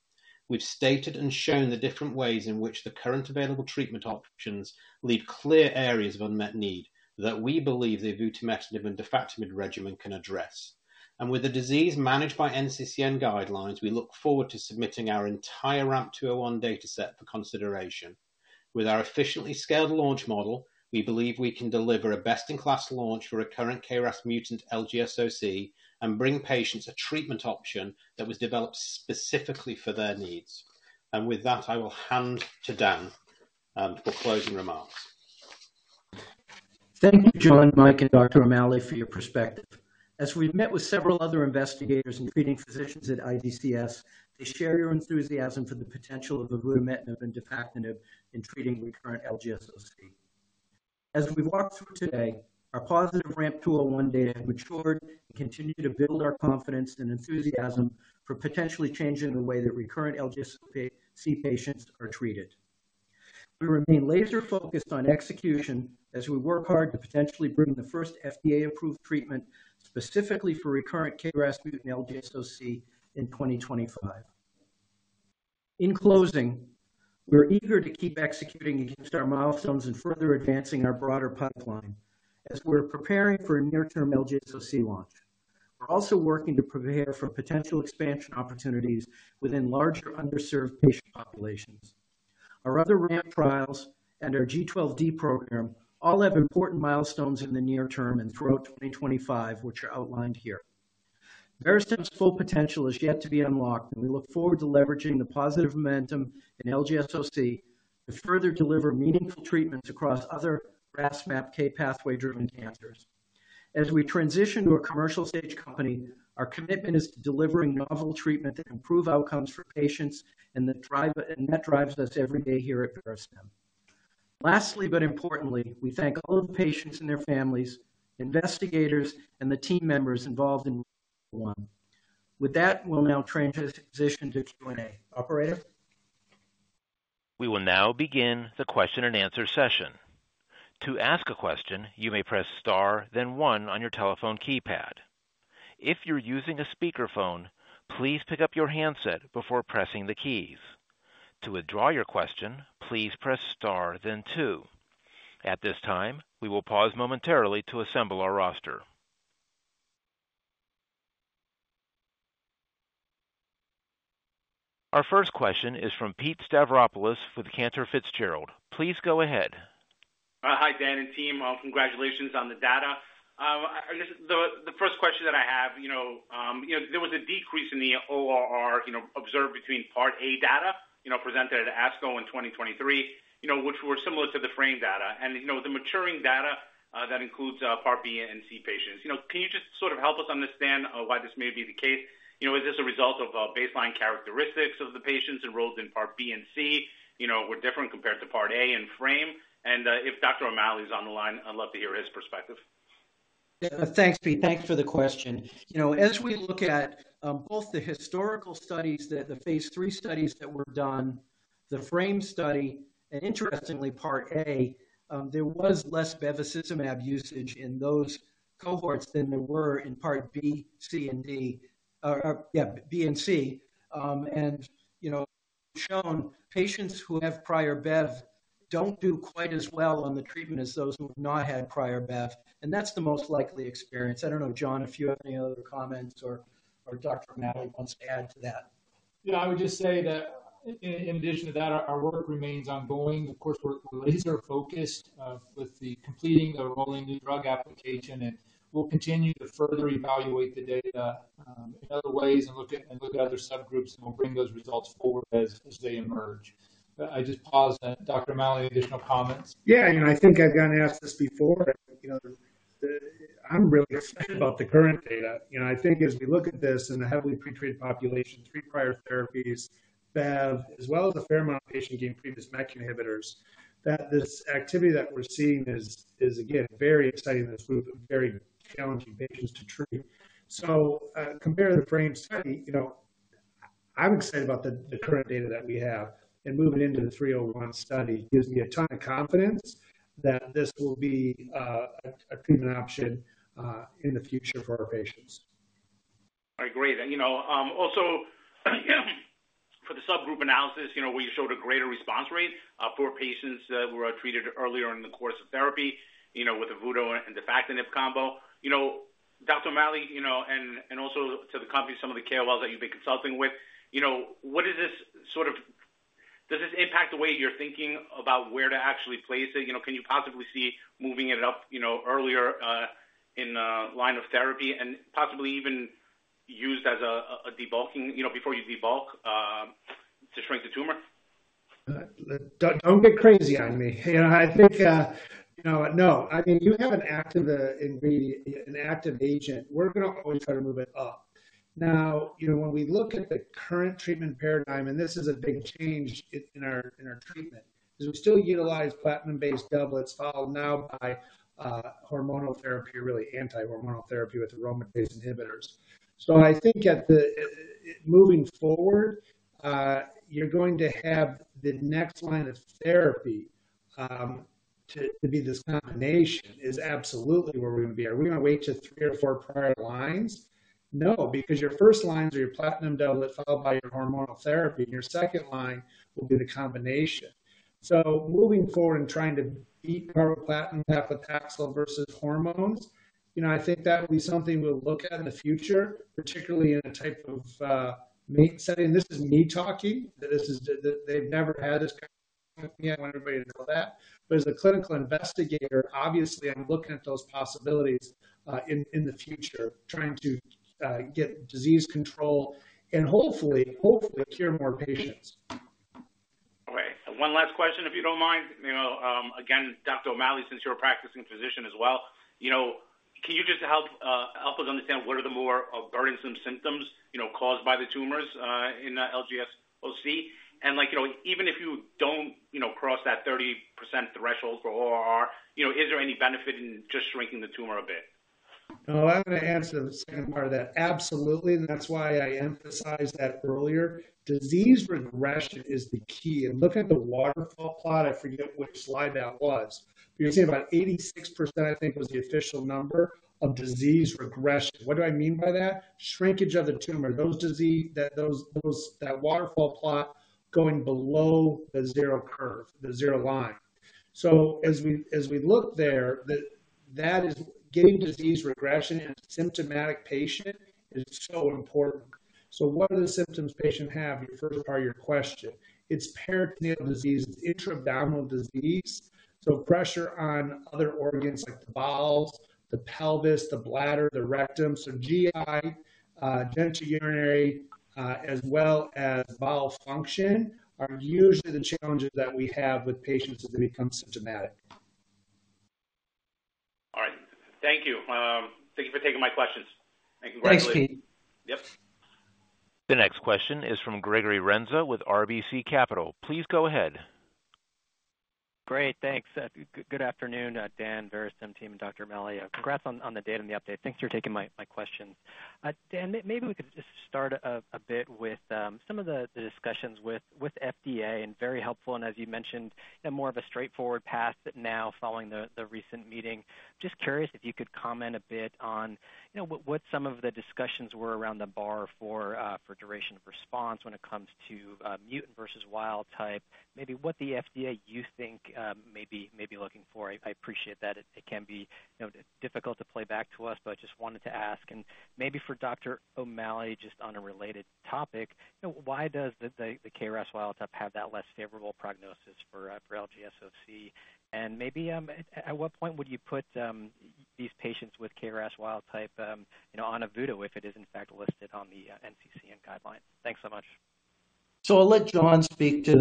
We've stated and shown the different ways in which the current available treatment options leave clear areas of unmet need that we believe the avutametnib and defactinib regimen can address. And with the disease managed by NCCN guidelines, we look forward to submitting our entire RAMP 201 dataset for consideration. With our efficiently scaled launch model, we believe we can deliver a best-in-class launch for a current KRAS mutant LGSOC and bring patients a treatment option that was developed specifically for their needs. And with that, I will hand to Dan for closing remarks. Thank you, John, Mike, and Dr. O'Malley, for your perspective. As we've met with several other investigators and treating physicians at IGCS, they share your enthusiasm for the potential of avutametnib and defactinib in treating recurrent LGSOC. As we walked through today, our positive RAMP 201 data have matured and continued to build our confidence and enthusiasm for potentially changing the way that recurrent LGSOC patients are treated. We remain laser-focused on execution as we work hard to potentially bring the first FDA-approved treatment specifically for recurrent KRAS mutant LGSOC in 2025. In closing, we're eager to keep executing against our milestones and further advancing our broader pipeline. As we're preparing for a near-term LGSOC launch, we're also working to prepare for potential expansion opportunities within larger, underserved patient populations. Our other RAMP trials and our G12D program all have important milestones in the near term and throughout 2025, which are outlined here. Verastem's full potential is yet to be unlocked, and we look forward to leveraging the positive momentum in LGSOC to further deliver meaningful treatments across other RAS/MAPK pathway-driven cancers. As we transition to a commercial stage company, our commitment is to delivering novel treatment that improve outcomes for patients and that drives us every day here at Verastem. Lastly, but importantly, we thank all the patients and their families, investigators, and the team members involved in RAMP 201. With that, we'll now transition to Q&A. Operator? We will now begin the question-and-answer session. To ask a question, you may press star, then one on your telephone keypad. If you're using a speakerphone, please pick up your handset before pressing the keys. To withdraw your question, please press star, then two. At this time, we will pause momentarily to assemble our roster. Our first question is from Pete Stavropoulos with Cantor Fitzgerald. Please go ahead. Hi, Dan and team. Congratulations on the data. I guess the first question that I have, you know, there was a decrease in the ORR, you know, observed between part A data, you know, presented at ASCO in 2023, you know, which were similar to the FRAME data. And the maturing data that includes part B and C patients. You know, can you just sort of help us understand why this may be the case? You know, is this a result of baseline characteristics of the patients enrolled in part B and C, you know, were different compared to part A in FRAME? And if Dr. O'Malley is on the line, I'd love to hear his perspective. Yeah, thanks, Pete. Thanks for the question. You know, as we look at both the historical studies that the phase three studies that were done, the FRAME study, and interestingly, part A, there was less bevacizumab usage in those cohorts than there were in part B, C, and D. Yeah, B and C. And, you know, shown patients who have prior Bev don't do quite as well on the treatment as those who have not had prior Bev, and that's the most likely experience. I don't know, John, if you have any other comments or, or Dr. O'Malley wants to add to that. Yeah, I would just say that in addition to that, our work remains ongoing. Of course, we're laser-focused with completing the rolling new drug application, and we'll continue to further evaluate the data in other ways and look at other subgroups, and we'll bring those results forward as they emerge. But I just pass that. Dr. O'Malley, additional comments? Yeah, you know, I think I've gotten asked this before. You know, I'm really excited about the current data. You know, I think as we look at this in a heavily pretreated population, three prior therapies, Bev, as well as a fair amount of patients getting previous MEK inhibitors, that this activity that we're seeing is again very exciting in this group of very challenging patients to treat. So, compared to the FRAME study, you know, I'm excited about the current data that we have, and moving into the three hundred and one study gives me a ton of confidence that this will be a treatment option in the future for our patients. All right, great. And, you know, also, for the subgroup analysis, you know, where you showed a greater response rate, for patients that were treated earlier in the course of therapy, you know, with the avutametnib and defactinib combo. You know, Dr. O'Malley, you know, and, and also to the company, some of the KOLs that you've been consulting with, you know, what is this sort of does this impact the way you're thinking about where to actually place it? You know, can you possibly see moving it up, you know, earlier, in the line of therapy and possibly even used as a, a debulking, you know, before you debulk, to shrink the tumor? Don't, don't get crazy on me. You know, I think, you know, no. I mean, you have an active ingredient, an active agent. We're gonna always try to move it up. Now, you know, when we look at the current treatment paradigm, and this is a big change in our, in our treatment, is we still utilize platinum-based doublets, followed now by hormonal therapy, really anti-hormonal therapy with aromatase inhibitors. So I think at the-- moving forward, you're going to have the next line of therapy, to be this combination is absolutely where we're gonna be. Are we gonna wait till three or four prior lines? No, because your first lines are your platinum doublet, followed by your hormonal therapy, and your second line will be the combination. So moving forward and trying to beat carboplatin paclitaxel versus hormones, you know, I think that will be something we'll look at in the future, particularly in a type of maintenance setting. This is me talking. This is the MEK. They've never had this kind of MEK. I want everybody to know that. But as a clinical investigator, obviously, I'm looking at those possibilities in the future, trying to get disease control and hopefully cure more patients. All right. One last question, if you don't mind. You know, again, Dr. O'Malley, since you're a practicing physician as well, you know, can you just help us understand what are the more burdensome symptoms, you know, caused by the tumors in LGSOC? And like, you know, even if you don't, you know, cross that 30% threshold for OR, you know, is there any benefit in just shrinking the tumor a bit? I'm gonna answer the second part of that. Absolutely, and that's why I emphasized that earlier. Disease regression is the key. And looking at the waterfall plot, I forget which slide that was, but you'll see about 86%, I think, was the official number of disease regression. What do I mean by that? Shrinkage of the tumor, the disease, that waterfall plot going below the zero curve, the zero line. As we look there, that is getting disease regression in a symptomatic patient is so important. What are the symptoms patients have? Your first part of your question. It's peritoneal disease, it's intra-abdominal disease, so pressure on other organs like the bowels, the pelvis, the bladder, the rectum. GI, genitourinary, as well as bowel function, are usually the challenges that we have with patients as they become symptomatic. All right. Thank you. Thank you for taking my questions. And congratulations. Thanks, Pete. Yep. The next question is from Gregory Renza with RBC Capital. Please go ahead. Great, thanks. Good afternoon, Dan, Verastem team, and Dr. O'Malley. Congrats on the data and the update. Thanks for taking my questions. Dan, maybe we could just start a bit with some of the discussions with FDA, and very helpful, and as you mentioned, more of a straightforward path now following the recent meeting. Just curious if you could comment a bit on, you know, what some of the discussions were around the bar for duration of response when it comes to mutant versus wild type, maybe what the FDA you think may be looking for. I appreciate that it can be, you know, difficult to play back to us, but I just wanted to ask. And maybe for Dr. O'Malley, just on a related topic, you know, why does the KRAS wild type have that less favorable prognosis for LGSOC? And maybe, at what point would you put these patients with KRAS wild type, you know, on avutametnib if it is in fact listed on the NCCN guidelines? Thanks so much. So I'll let John speak to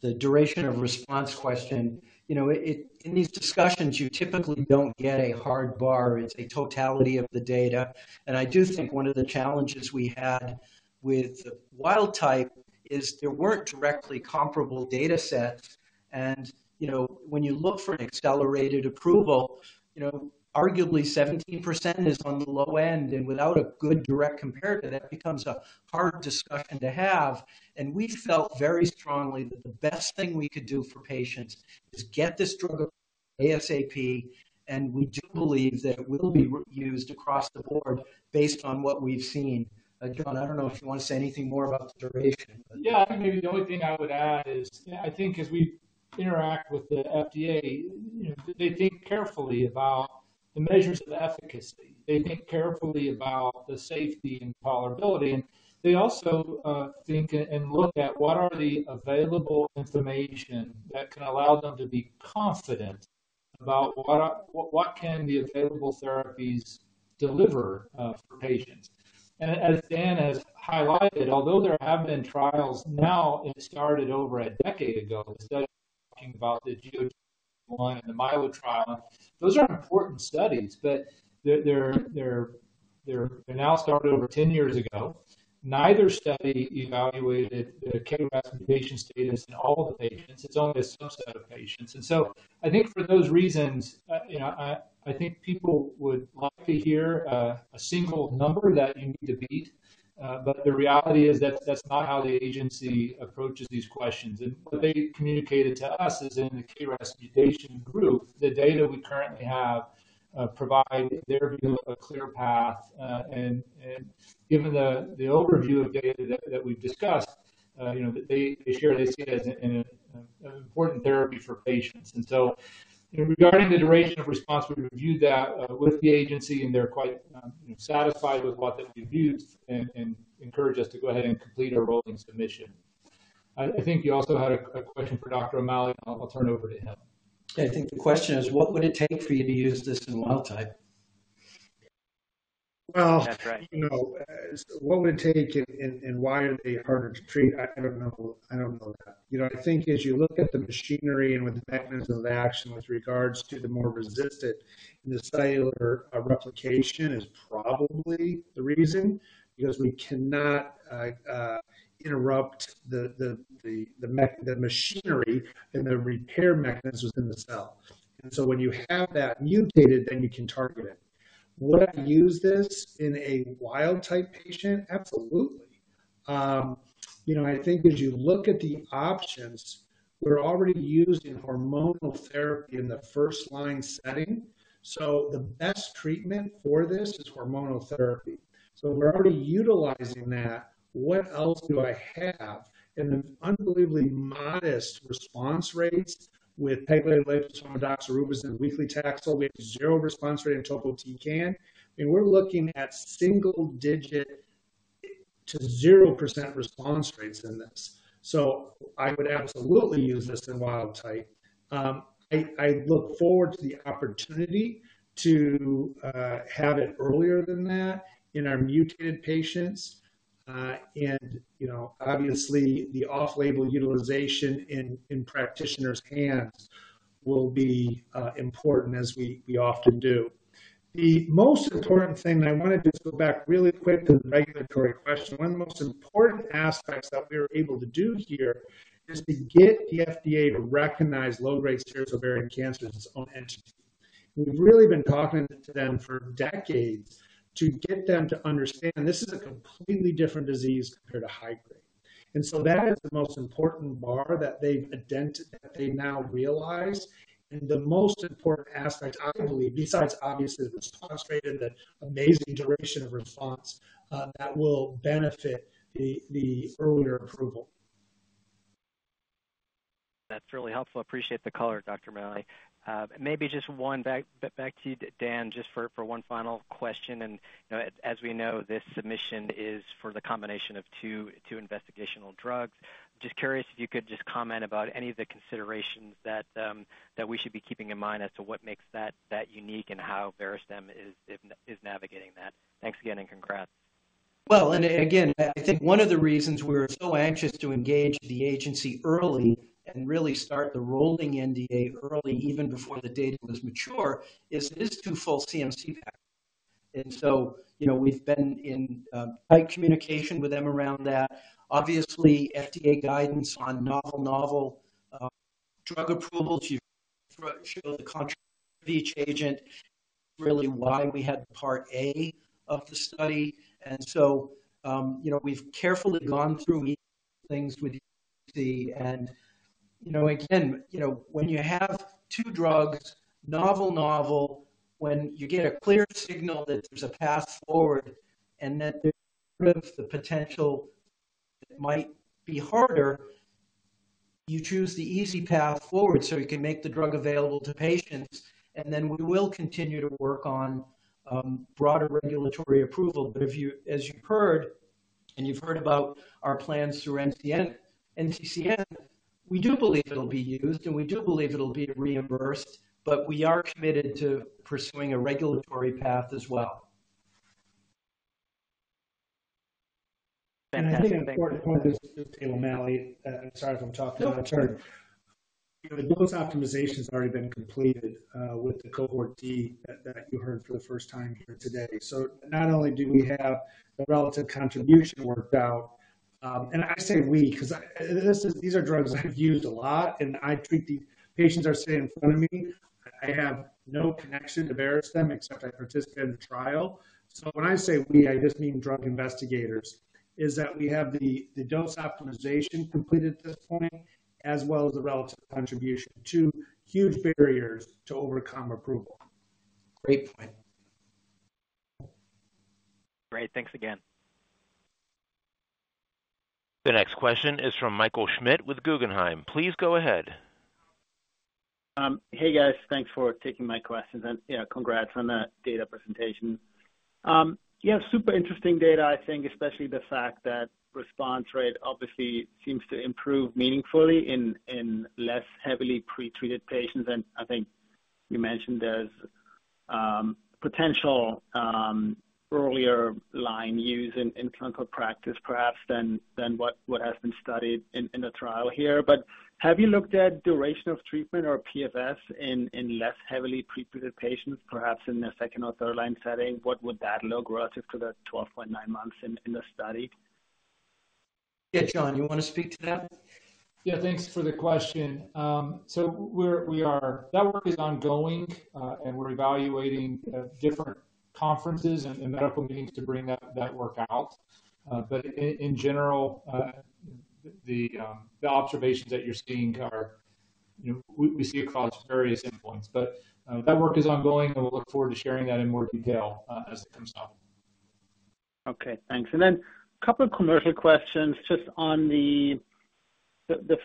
the duration of response question. You know, in these discussions, you typically don't get a hard bar. It's a totality of the data. And I do think one of the challenges we had with the wild type is there weren't directly comparable data sets. ...And, you know, when you look for an accelerated approval, you know, arguably 17% is on the low end, and without a good direct comparative, that becomes a hard discussion to have. And we felt very strongly that the best thing we could do for patients is get this drug ASAP, and we do believe that it will be used across the board based on what we've seen. John, I don't know if you want to say anything more about the duration, but- Yeah, I think maybe the only thing I would add is, I think as we interact with the FDA, you know, they think carefully about the measures of efficacy. They think carefully about the safety and tolerability, and they also think and look at what are the available information that can allow them to be confident about what can the available therapies deliver for patients. And as Dan has highlighted, although there have been trials now and started over a decade ago, talking about the GOG-281 and the MILO trial, those are important studies, but they're now started over 10 years ago. Neither study evaluated the KRAS mutation status in all of the patients. It's only a subset of patients. I think for those reasons, you know, I think people would like to hear a single number that you need to beat. But the reality is that that's not how the agency approaches these questions. What they communicated to us is in the KRAS mutation group, the data we currently have provide, in their view, a clear path. Given the overview of data that we've discussed, you know, they share they see it as an important therapy for patients. Regarding the duration of response, we reviewed that with the agency, and they're quite satisfied with what they've reviewed and encourage us to go ahead and complete our rolling submission. I think you also had a question for Dr. O'Malley. I'll turn it over to him. I think the question is, what would it take for you to use this in wild type? Well- That's right. You know, what would it take and, and why are they harder to treat? I don't know. I don't know that. You know, I think as you look at the machinery and with the mechanism of action with regards to the more resistant, the cellular, replication is probably the reason, because we cannot interrupt the machinery and the repair mechanisms in the cell. And so when you have that mutated, then you can target it. Would I use this in a wild-type patient? Absolutely. You know, I think as you look at the options, we're already using hormonal therapy in the first-line setting, so the best treatment for this is hormonal therapy. So we're already utilizing that. What else do I have? The unbelievably modest response rates with pegylated liposomal doxorubicin, weekly paclitaxel, we have zero response rate in topotecan, and we're looking at single digit to 0% response rates in this. I would absolutely use this in wild-type. I look forward to the opportunity to have it earlier than that in our mutated patients. And, you know, obviously, the off-label utilization in practitioners' hands will be important, as we often do. The most important thing, and I wanted to go back really quick to the regulatory question. One of the most important aspects that we were able to do here is to get the FDA to recognize low-grade serous ovarian cancer as its own entity. We've really been talking to them for decades to get them to understand this is a completely different disease compared to high-grade. That is the most important bar that they now realize, and the most important aspect, I believe, besides obviously the response rate and the amazing duration of response, that will benefit the earlier approval. That's really helpful. Appreciate the color, Dr. O'Malley. Maybe just one back to you, Dan, just for one final question. You know, as we know, this submission is for the combination of two investigational drugs. Just curious if you could just comment about any of the considerations that we should be keeping in mind as to what makes that unique and how Verastem is navigating that. Thanks again, and congrats. I think one of the reasons we were so anxious to engage the agency early and really start the rolling NDA early, even before the data was mature, is it is two full CMC packages. And so, you know, we've been in tight communication with them around that. Obviously, FDA guidance on novel drug approvals, you show the contract for each agent, really why we had part A of the study. And so, you know, we've carefully gone through each thing with the agency and, you know, again, you know, when you have two drugs, novel, when you get a clear signal that there's a path forward and that there's the potential it might be harder, you choose the easy path forward, so you can make the drug available to patients, and then we will continue to work on broader regulatory approval. But if you, as you've heard, and you've heard about our plans through NCCN, we do believe it'll be used, and we do believe it'll be reimbursed, but we are committed to pursuing a regulatory path as well. Fantastic. I think an important point, O'Malley. Sorry if I'm talking out of turn. No. You know, the dose optimization has already been completed with the cohort D that you heard for the first time here today. So not only do we have the relative contribution worked out, and I say we, because this is, these are drugs I've used a lot, and I treat the patients are sitting in front of me. I have no connection to Verastem except I participated in the trial. So when I say we, I just mean drug investigators. That we have the dose optimization completed at this point, as well as the relative contribution, two huge barriers to overcome approval. Great point. Great, thanks again. The next question is from Michael Schmidt with Guggenheim. Please go ahead. Hey, guys. Thanks for taking my questions. And, yeah, congrats on that data presentation. You have super interesting data, I think, especially the fact that response rate obviously seems to improve meaningfully in less heavily pretreated patients. And I think you mentioned there's potential earlier line use in clinical practice, perhaps, than what has been studied in the trial here. But have you looked at duration of treatment or PFS in less heavily pretreated patients, perhaps in a second or third line setting? What would that look relative to the 12.9 months in the study? Yeah. John, you want to speak to that? Yeah, thanks for the question. That work is ongoing, and we're evaluating different conferences and medical meetings to bring that work out. But in general, the observations that you're seeing are, you know, we see across various endpoints, but that work is ongoing, and we look forward to sharing that in more detail as it comes out. Okay, thanks, and then a couple of commercial questions just on the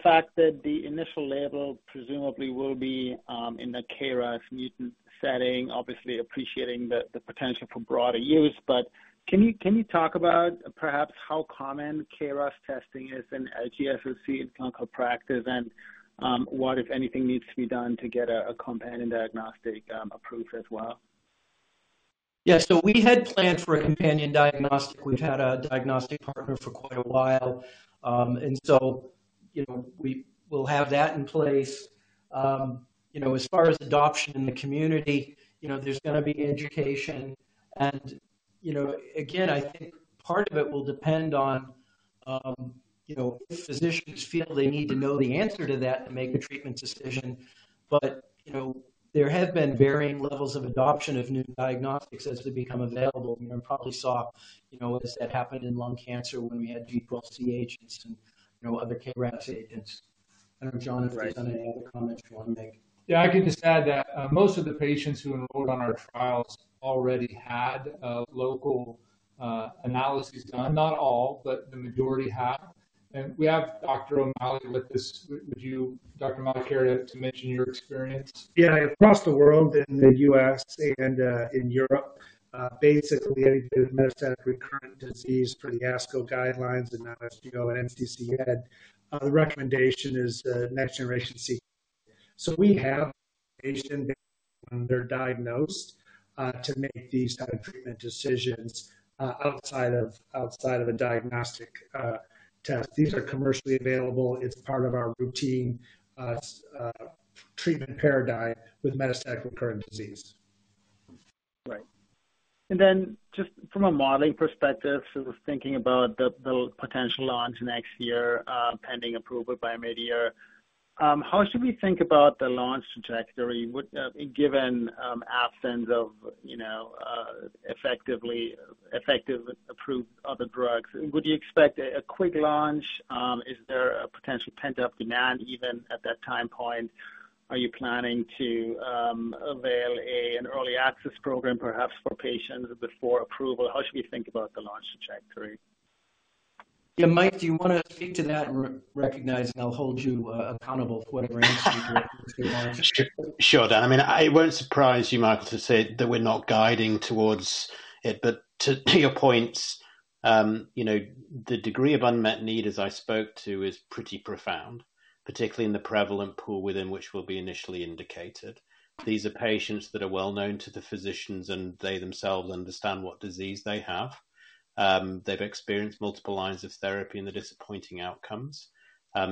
fact that the initial label presumably will be in the KRAS mutant setting, obviously appreciating the potential for broader use, but can you talk about perhaps how common KRAS testing is in LGSOC in clinical practice, and what, if anything, needs to be done to get a companion diagnostic approved as well? Yeah, so we had planned for a companion diagnostic. We've had a diagnostic partner for quite a while, and so, you know, we will have that in place. You know, as far as adoption in the community, you know, there's going to be education, and, you know, again, I think part of it will depend on, you know, if physicians feel they need to know the answer to that to make a treatment decision. But, you know, there have been varying levels of adoption of new diagnostics as they become available. You know, and probably saw, you know, this, that happened in lung cancer when we had PD-1 checkpoint agents and, you know, other KRAS agents. I don't know, John, if there's any other comments you want to make. Yeah, I can just add that, most of the patients who enrolled on our trials already had, local, analyses done. Not all, but the majority have. And we have Dr. O'Malley with this. Would you, Dr. O'Malley, care to mention your experience? Yeah. Across the world, in the U.S. and in Europe, basically, metastatic recurrent disease per the ASCO guidelines and SGO and NCCN, the recommendation is the next-generation sequencing. So we have patient when they're diagnosed to make these type of treatment decisions outside of a diagnostic test. These are commercially available. It's part of our routine treatment paradigm with metastatic recurrent disease. Right. And then just from a modeling perspective, so thinking about the potential launch next year, pending approval by midyear, how should we think about the launch trajectory with given absence of, you know, effective approved other drugs? Would you expect a quick launch? Is there a potential pent-up demand even at that time point? Are you planning to avail an early access program, perhaps for patients before approval? How should we think about the launch trajectory? Yeah, Mike, do you want to speak to that, recognizing I'll hold you accountable for whatever answers you give? Sure. I mean, it won't surprise you, Michael, to say that we're not guiding towards it. But to your points, you know, the degree of unmet need, as I spoke to, is pretty profound, particularly in the prevalent pool within which will be initially indicated. These are patients that are well known to the physicians, and they themselves understand what disease they have. They've experienced multiple lines of therapy and the disappointing outcomes.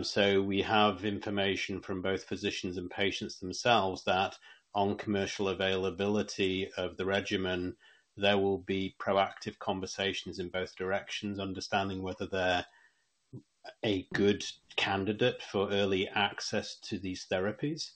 So we have information from both physicians and patients themselves that on commercial availability of the regimen, there will be proactive conversations in both directions, understanding whether they're a good candidate for early access to these therapies.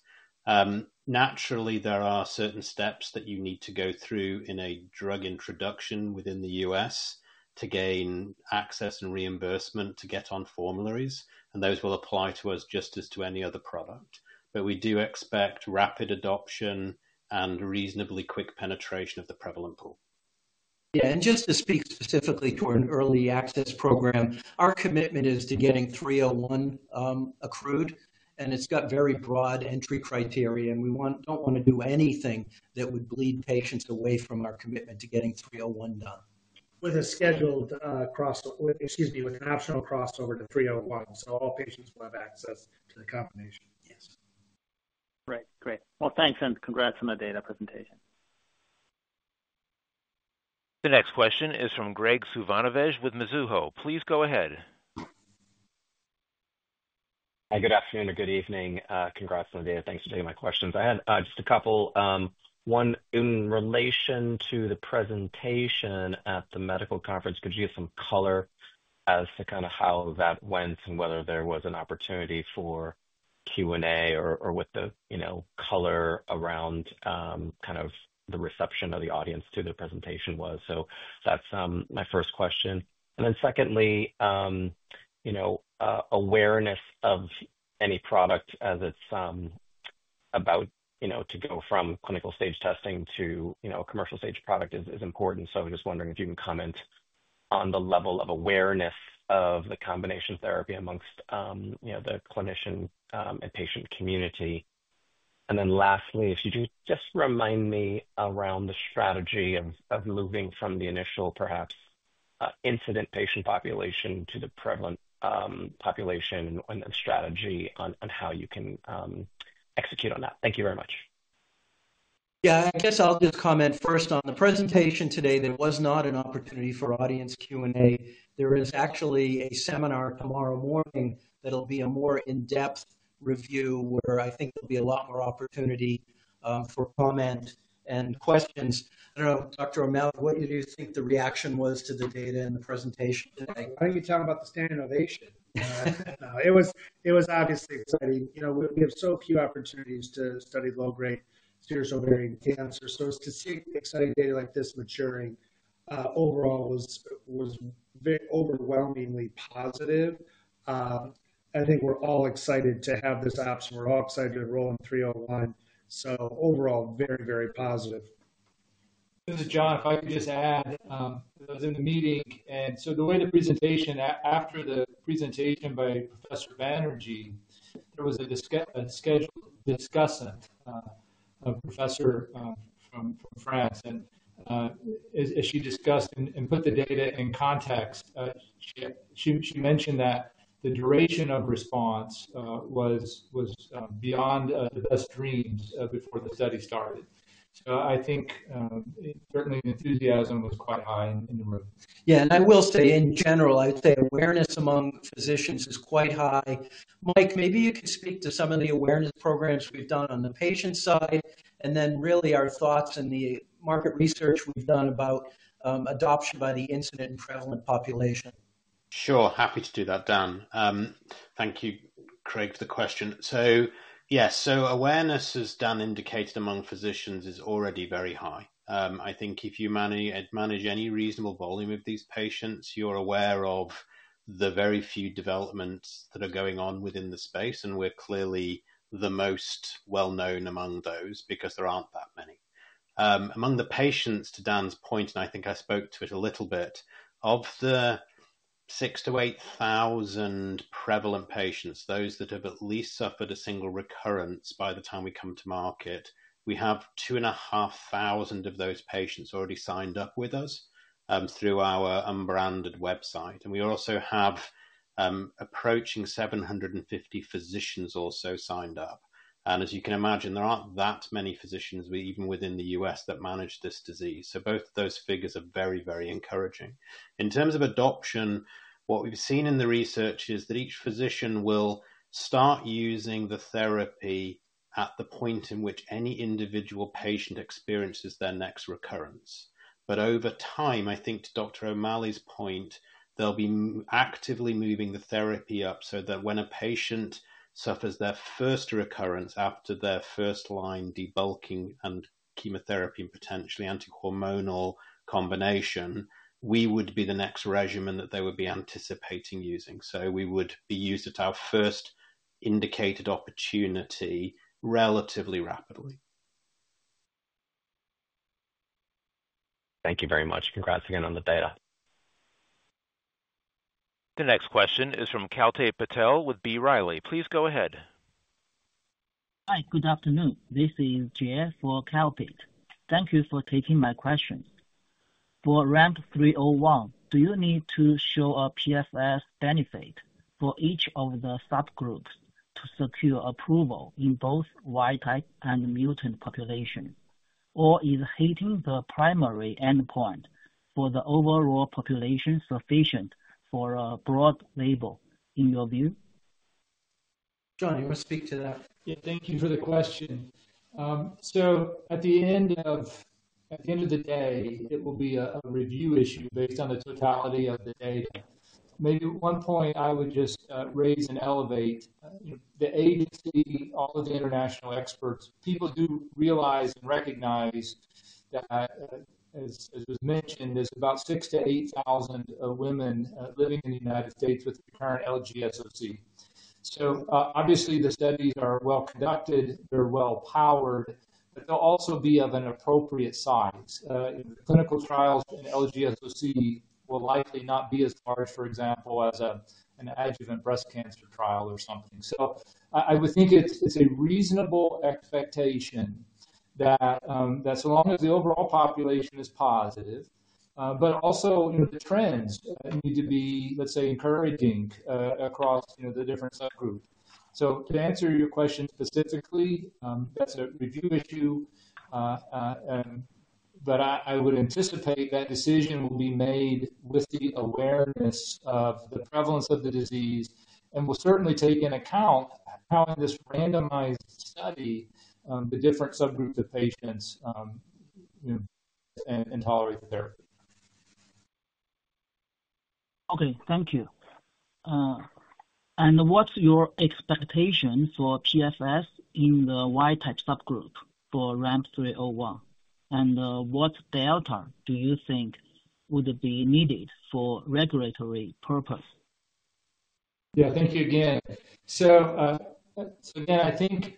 Naturally, there are certain steps that you need to go through in a drug introduction within the U.S. to gain access and reimbursement to get on formularies, and those will apply to us just as to any other product. But we do expect rapid adoption and reasonably quick penetration of the prevalent pool. Yeah, and just to speak specifically to an early access program, our commitment is to getting 301 accrued, and it's got very broad entry criteria, and we want, don't want to do anything that would lead patients away from our commitment to getting 301 done. With a scheduled, Excuse me, with an optional crossover to 301, so all patients will have access to the combination. Yes. Great. Great. Well, thanks, and congrats on the data presentation. The next question is from Graig Suvannavejh with Mizuho. Please go ahead.... Hi, good afternoon or good evening. Congrats on the data. Thanks for taking my questions. I had just a couple. One, in relation to the presentation at the medical conference, could you give some color as to kind of how that went and whether there was an opportunity for Q&A or, or what the, you know, color around kind of the reception of the audience to the presentation was? So that's my first question. And then secondly, you know, awareness of any product as it's about, you know, to go from clinical stage testing to, you know, commercial stage product is important. So I'm just wondering if you can comment on the level of awareness of the combination therapy amongst, you know, the clinician and patient community. And then lastly, if you could just remind me around the strategy of moving from the initial, perhaps, incident patient population to the prevalent population and the strategy on how you can execute on that. Thank you very much. Yeah, I guess I'll just comment first on the presentation today. There was not an opportunity for audience Q&A. There is actually a seminar tomorrow morning that'll be a more in-depth review, where I think there'll be a lot more opportunity, for comment and questions. I don't know, Dr. O'Malley, what did you think the reaction was to the data in the presentation today? Why don't you talk about the standing ovation? No, it was obviously exciting. You know, we have so few opportunities to study low-grade serous ovarian cancer. So to see exciting data like this maturing, overall was very overwhelmingly positive. I think we're all excited to have this option. We're all excited to enroll in 301. So overall, very, very positive. This is John. If I could just add, I was in the meeting, and so the way the presentation after the presentation by Professor Banerjee, there was a scheduled discussant, a professor, from France. And, as she discussed and put the data in context, she mentioned that the duration of response was beyond the best dreams before the study started. So I think, certainly the enthusiasm was quite high in the room. Yeah, and I will say in general, I'd say awareness among physicians is quite high. Mike, maybe you can speak to some of the awareness programs we've done on the patient side, and then really our thoughts and the market research we've done about adoption by the incident and prevalent population. Sure, happy to do that, Dan. Thank you, Graig, for the question. So yes, so awareness, as Dan indicated, among physicians is already very high. I think if you manage any reasonable volume of these patients, you're aware of the very few developments that are going on within the space, and we're clearly the most well-known among those because there aren't that many. Among the patients, to Dan's point, and I think I spoke to it a little bit, of the six to eight thousand prevalent patients, those that have at least suffered a single recurrence by the time we come to market, we have 2,500 of those patients already signed up with us through our unbranded website. And we also have approaching 750 physicians also signed up. As you can imagine, there aren't that many physicians even within the U.S. that manage this disease. So both of those figures are very, very encouraging. In terms of adoption, what we've seen in the research is that each physician will start using the therapy at the point in which any individual patient experiences their next recurrence. But over time, I think to Dr. O'Malley's point, they'll be actively moving the therapy up so that when a patient suffers their first recurrence after their first-line debulking and chemotherapy and potentially anti-hormonal combination, we would be the next regimen that they would be anticipating using. So we would be used at our first indicated opportunity relatively rapidly. Thank you very much. Congrats again on the data. The next question is from Kalpit Patel with B. Riley. Please go ahead. Hi, good afternoon. This is Jay for Kalpit. Thank you for taking my question. For RAMP 301, do you need to show a PFS benefit for each of the subgroups to secure approval in both wild type and mutant population? Or is hitting the primary endpoint for the overall population sufficient for a broad label in your view? John, you want to speak to that? Yeah, thank you for the question. So at the end of the day, it will be a review issue based on the totality of the data. Maybe one point I would just raise and elevate, the agency, all of the international experts, people do realize and recognize that, as was mentioned, there's about six to eight thousand women living in the United States with recurrent LGSOC. So, obviously, the studies are well conducted, they're well powered, but they'll also be of an appropriate size. In the clinical trials, an LGSOC will likely not be as large, for example, as an adjuvant breast cancer trial or something. So I would think it's a reasonable expectation that so long as the overall population is positive, but also, you know, the trends need to be, let's say, encouraging across, you know, the different subgroups. So to answer your question specifically, that's a review issue. But I would anticipate that decision will be made with the awareness of the prevalence of the disease and will certainly take into account how in this randomized study the different subgroups of patients, you know, and tolerate the therapy. Okay, thank you. And what's your expectation for PFS in the wild-type subgroup for RAMP 301? And what delta do you think would be needed for regulatory purpose? Yeah, thank you again. So again, I think,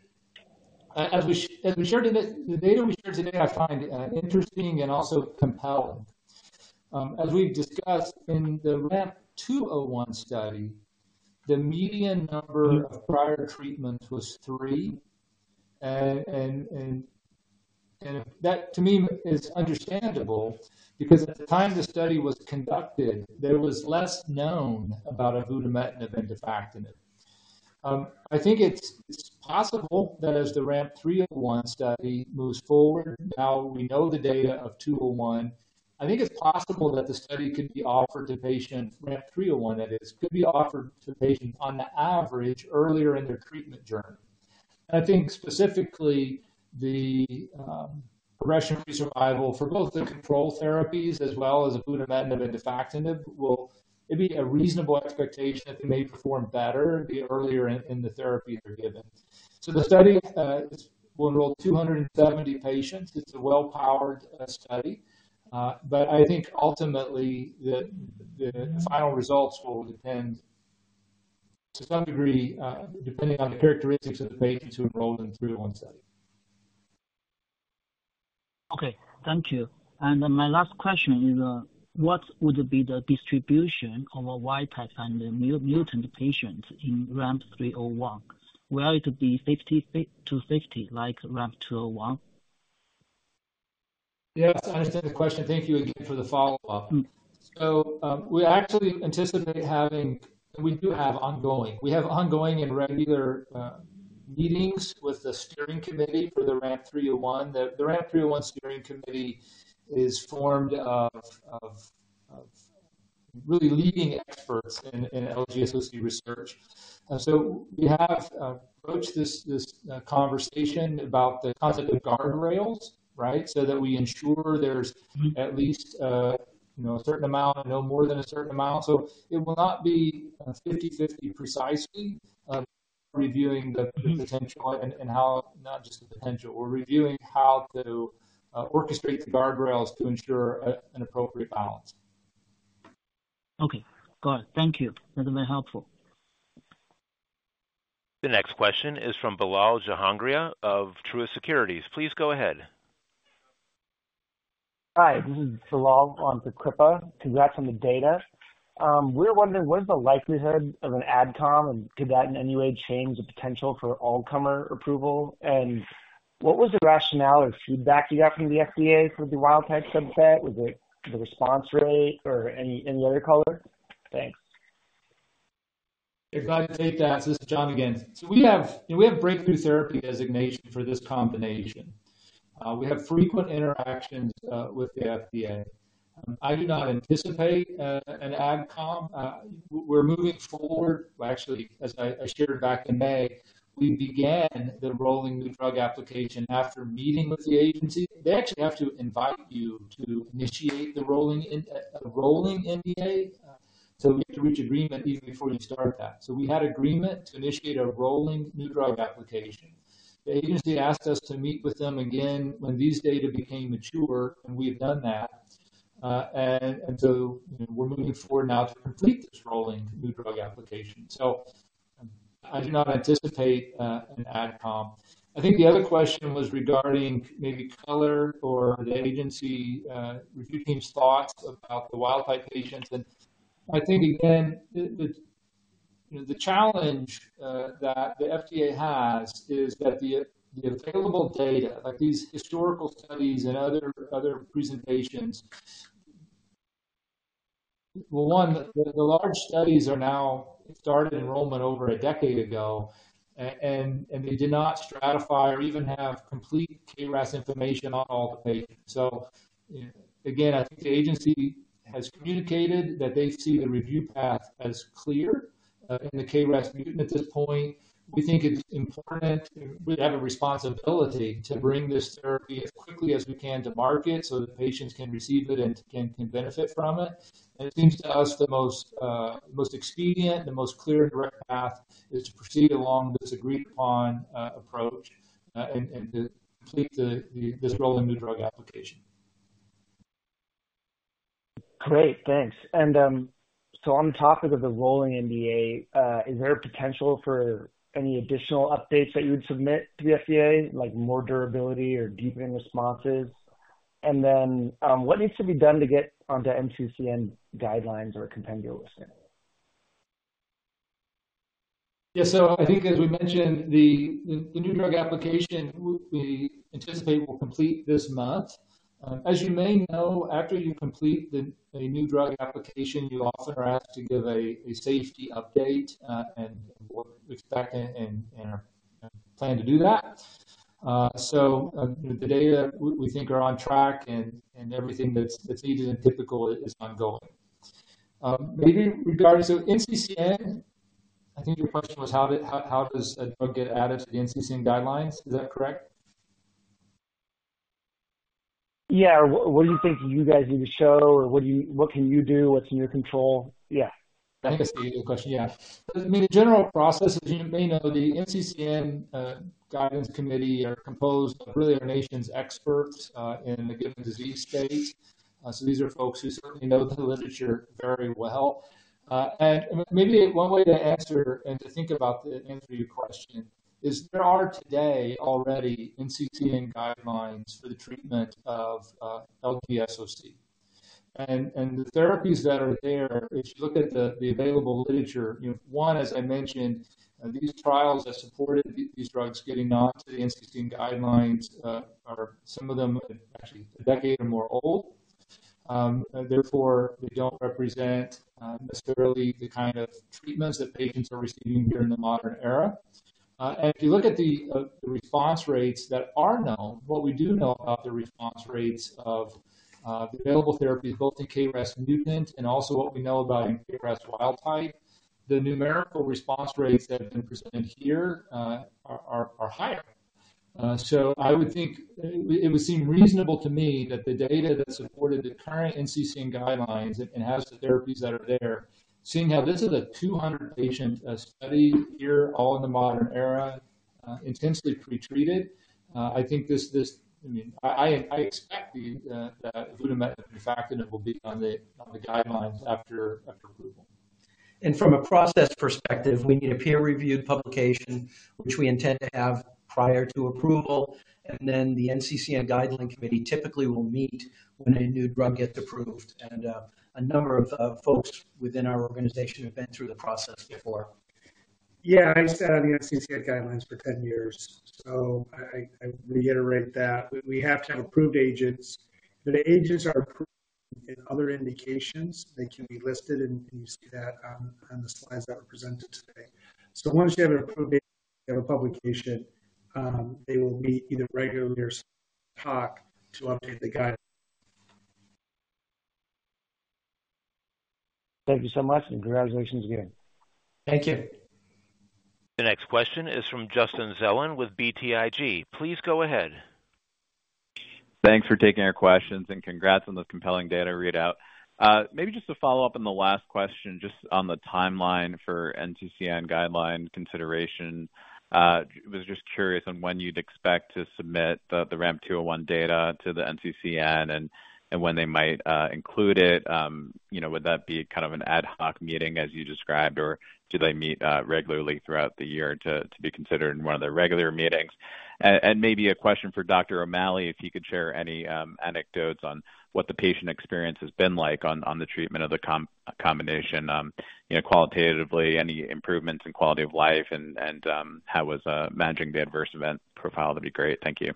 as we shared today, the data we shared today, I find interesting and also compelling. As we've discussed in the RAMP 201 study, the median number of prior treatments was three. And that, to me, is understandable because at the time the study was conducted, there was less known about avutametnib and defactinib. I think it's possible that as the RAMP 301 study moves forward, now we know the data of 201. I think it's possible that the study could be offered to patients-- RAMP 301, that is, could be offered to patients on the average earlier in their treatment journey. I think specifically the progression-free survival for both the control therapies as well as avutametnib and defactinib. Will it be a reasonable expectation that they may perform better the earlier in the therapy they're given. The study will enroll 270 patients. It's a well-powered study. But I think ultimately the final results will depend to some degree depending on the characteristics of the patients who enrolled in the 301 study. Okay, thank you. And my last question is, what would be the distribution of a wild-type and the mutant patients in RAMP 301? Will it be fifty-fifty, like RAMP 201? Yes, I understand the question. Thank you again for the follow-up. Mm-hmm. We have ongoing and regular meetings with the steering committee for the RAMP 301. The RAMP 301 steering committee is formed of really leading experts in LG associated research. And so we have approached this conversation about the concept of guardrails, right, so that we ensure there's- Mm-hmm. - at least, you know, a certain amount, no more than a certain amount. So it will not be, fifty/fifty precisely, reviewing the- Mm-hmm. potential and how, not just the potential. We're reviewing how to orchestrate the guardrails to ensure an appropriate balance. Okay, got it. Thank you. That's very helpful. The next question is from Bilal Jahangiri of Truist Securities. Please go ahead. Hi, this is Bilal on for Kalpit. Congrats on the data. We're wondering, what is the likelihood of an Ad Com, and could that in any way change the potential for all-comer approval? And what was the rationale or feedback you got from the FDA for the wild-type subset? Was it the response rate or any other color? Thanks. If I take that, this is John again. So we have breakthrough therapy designation for this combination. We have frequent interactions with the FDA. I do not anticipate an Ad Com. We're moving forward. Actually, as I shared back in May, we began the rolling New Drug Application after meeting with the agency. They actually have to invite you to initiate the rolling in a rolling NDA, so we have to reach agreement even before you start that. So we had agreement to initiate a rolling New Drug Application. The agency asked us to meet with them again when these data became mature, and we have done that. And so, we're moving forward now to complete this rolling New Drug Application. So I do not anticipate an Ad Com. I think the other question was regarding maybe color or the agency reviewing thoughts about the wild type patients. And I think, again, you know, the challenge that the FDA has is that the available data, like these historical studies and other presentations. Well, one, the large studies now started enrollment over a decade ago, and they did not stratify or even have complete KRAS information on all the patients. So, again, I think the agency has communicated that they see the review path as clear in the KRAS mutant at this point. We think it's important, we have a responsibility to bring this therapy as quickly as we can to market so that patients can receive it and can benefit from it. It seems to us the most expedient, the most clear and direct path is to proceed along this agreed-upon approach, and to complete this rolling new drug application. Great, thanks. And, so on the topic of the rolling NDA, is there a potential for any additional updates that you would submit to the FDA, like more durability or deepening responses? And then, what needs to be done to get onto NCCN guidelines or compendial listing? Yeah. So I think as we mentioned, the New Drug Application, we anticipate will complete this month. As you may know, after you complete a New Drug Application, you often are asked to give a safety update, and we expect and plan to do that. So, the data we think are on track and everything that's needed and typical is ongoing. Maybe regardless of NCCN, I think your question was, how does a drug get added to the NCCN guidelines? Is that correct? Yeah. What do you think you guys need to show? Or what do you—what can you do? What's in your control? Yeah. I guess that's a good question. Yeah. I mean, the general process, as you may know, the NCCN guidance committee are composed of really our nation's experts in a given disease space. So these are folks who certainly know the literature very well. And maybe one way to answer your question is there are today already NCCN guidelines for the treatment of LGSOC. And the therapies that are there, if you look at the available literature, you know, one, as I mentioned, these trials that supported these drugs getting on to the NCCN guidelines are some of them actually a decade or more old. Therefore, they don't represent necessarily the kind of treatments that patients are receiving during the modern era. And if you look at the response rates that are known, what we do know about the response rates of the available therapies, both in K-RAS mutant and also what we know about in K-RAS wild type, the numerical response rates that have been presented here are higher. So I would think it would seem reasonable to me that the data that supported the current NCCN guidelines and has the therapies that are there, seeing how this is a 200-patient study here, all in the modern era, intensely pretreated, I think this. I mean, I expect that avutametinib and defactinib, and it will be on the guidelines after approval. From a process perspective, we need a peer-reviewed publication, which we intend to have prior to approval, and then the NCCN Guideline Committee typically will meet when a new drug gets approved. And, a number of, folks within our organization have been through the process before. Yeah, I sat on the NCCN guidelines for 10 years, so I reiterate that. We have to have approved agents. If the agents are approved in other indications, they can be listed, and you see that on the slides that were presented today. So once they have an approved agent, they have a publication, they will meet either regularly or talk to update the guide. Thank you so much, and congratulations again. Thank you. The next question is from Justin Zelin with BTIG. Please go ahead. Thanks for taking our questions, and congrats on those compelling data readout. Maybe just to follow up on the last question, just on the timeline for NCCN guideline consideration. Was just curious on when you'd expect to submit the RAMP 201 data to the NCCN and when they might include it. You know, would that be kind of an ad hoc meeting, as you described, or do they meet regularly throughout the year to be considered in one of their regular meetings? And maybe a question for Dr. O'Malley, if you could share any anecdotes on what the patient experience has been like on the treatment of the combination, you know, qualitatively, any improvements in quality of life and how was managing the adverse event profile? That'd be great. Thank you.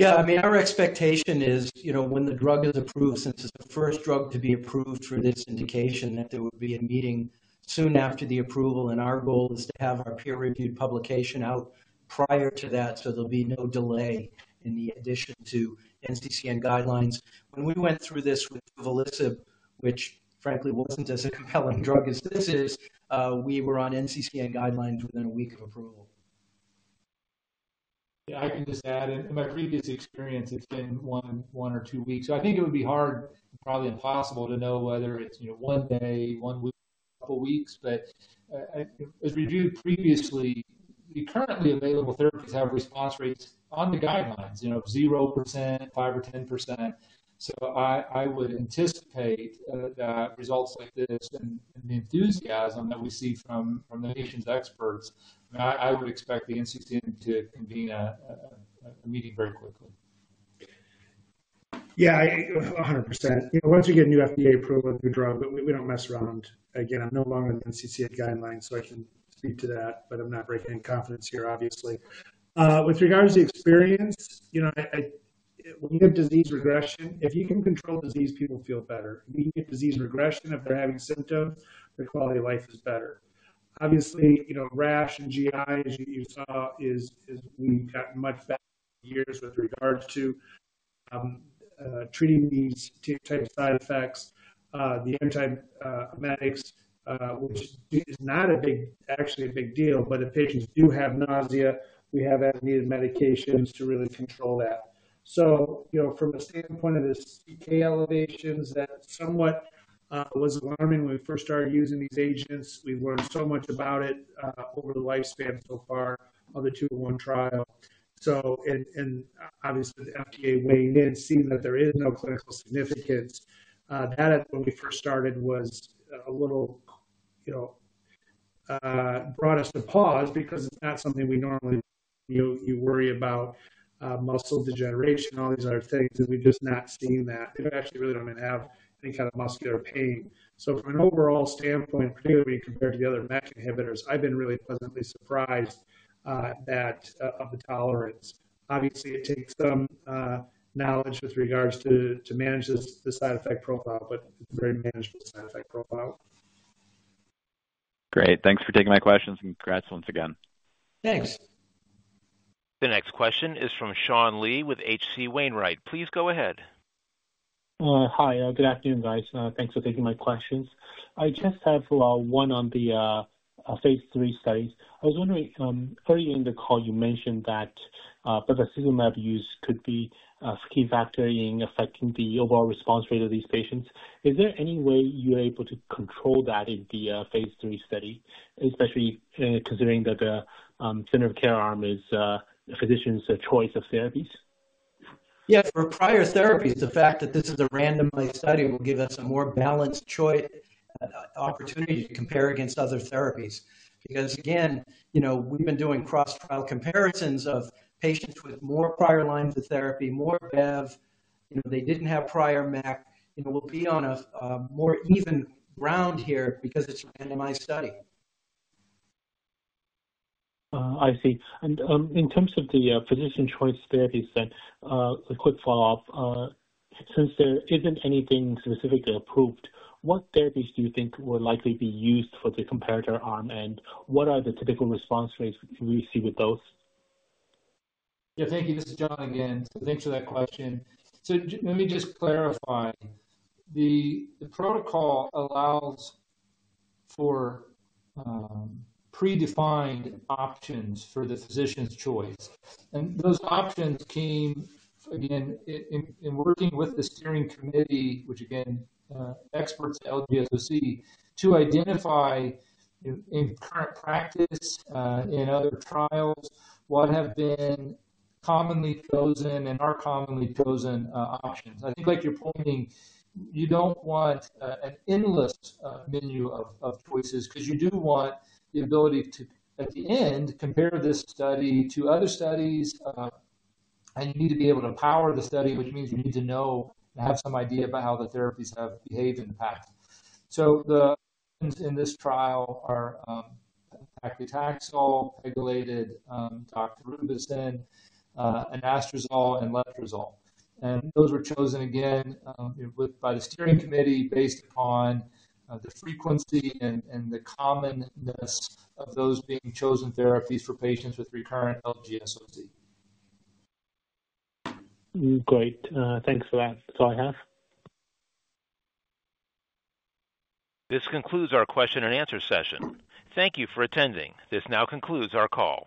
Yeah, I mean, our expectation is, you know, when the drug is approved, since it's the first drug to be approved for this indication, that there will be a meeting soon after the approval, and our goal is to have our peer-reviewed publication out prior to that, so there'll be no delay in the addition to NCCN guidelines. When we went through this with duvelisib, which frankly wasn't as a compelling drug as this is, we were on NCCN guidelines within a week of approval. Yeah, I can just add, in my previous experience, it's been one or two weeks. So I think it would be hard, probably impossible, to know whether it's, you know, one day, one week, a couple weeks. But as we reviewed previously, the currently available therapies have response rates on the guidelines, you know, 0%, 5% or 10%. So I would anticipate that results like this and the enthusiasm that we see from the nation's experts, I would expect the NCCN to convene a meeting very quickly. Yeah, 100%. You know, once we get a new FDA approval of the drug, we don't mess around. Again, I'm no longer in the NCCN guidelines, so I can speak to that, but I'm not breaking any confidence here, obviously. With regards to experience, you know, when you get disease regression, if you can control disease, people feel better. When you get disease regression, if they're having symptoms, their quality of life is better. Obviously, you know, rash and GI, as you saw, we've gotten much better over the years with regards to treating these two types of side effects. The antiemetics, which is not a big deal, actually, but if patients do have nausea, we have added medications to really control that. So, you know, from a standpoint of the CK elevations, that somewhat was alarming when we first started using these agents. We've learned so much about it over the lifespan so far of the 201 trial. So, and obviously, the FDA weighed in, seeing that there is no clinical significance, that when we first started was a little, you know, brought us to pause because it's not something we normally you worry about muscle degeneration, all these other things, and we've just not seen that. They actually really don't even have any kind of muscular pain. So from an overall standpoint, particularly compared to the other MEK inhibitors, I've been really pleasantly surprised that of the tolerance. Obviously, it takes some knowledge with regards to manage this, the side effect profile, but it's a very manageable side effect profile.... Great. Thanks for taking my questions, and congrats once again. Thanks. The next question is from Sean Lee with H.C. Wainwright. Please go ahead. Hi, good afternoon, guys. Thanks for taking my questions. I just have one on the phase three studies. I was wondering, early in the call, you mentioned that bevacizumab use could be a key factor in affecting the overall response rate of these patients. Is there any way you are able to control that in the phase three study, especially, considering that the standard of care arm is physician's choice of therapies? Yeah, for prior therapies, the fact that this is a randomized study will give us a more balanced choice, opportunity to compare against other therapies. Because, again, you know, we've been doing cross-trial comparisons of patients with more prior lines of therapy, more Bev, you know, they didn't have prior MEK. You know, we'll be on a more even ground here because it's a randomized study. I see. And, in terms of the physician choice therapies, then, a quick follow-up. Since there isn't anything specifically approved, what therapies do you think will likely be used for the comparator arm, and what are the typical response rates we see with those? Yeah. Thank you. This is John again. Thanks for that question. So let me just clarify. The protocol allows for predefined options for the physician's choice, and those options came, again, working with the steering committee, which again, experts LGSOC, to identify in current practice, in other trials, what have been commonly chosen and are commonly chosen options. I think, like you're pointing, you don't want an endless menu of choices because you do want the ability to, at the end, compare this study to other studies. And you need to be able to power the study, which means you need to know and have some idea about how the therapies have behaved in the past. So the in this trial are paclitaxel, pegylated liposomal doxorubicin, and anastrozole and letrozole. Those were chosen again by the steering committee, based upon the frequency and the commonness of those being chosen therapies for patients with recurrent LGSOC. Great. Thanks for that. That's all I have. This concludes our question and answer session. Thank you for attending. This now concludes our call.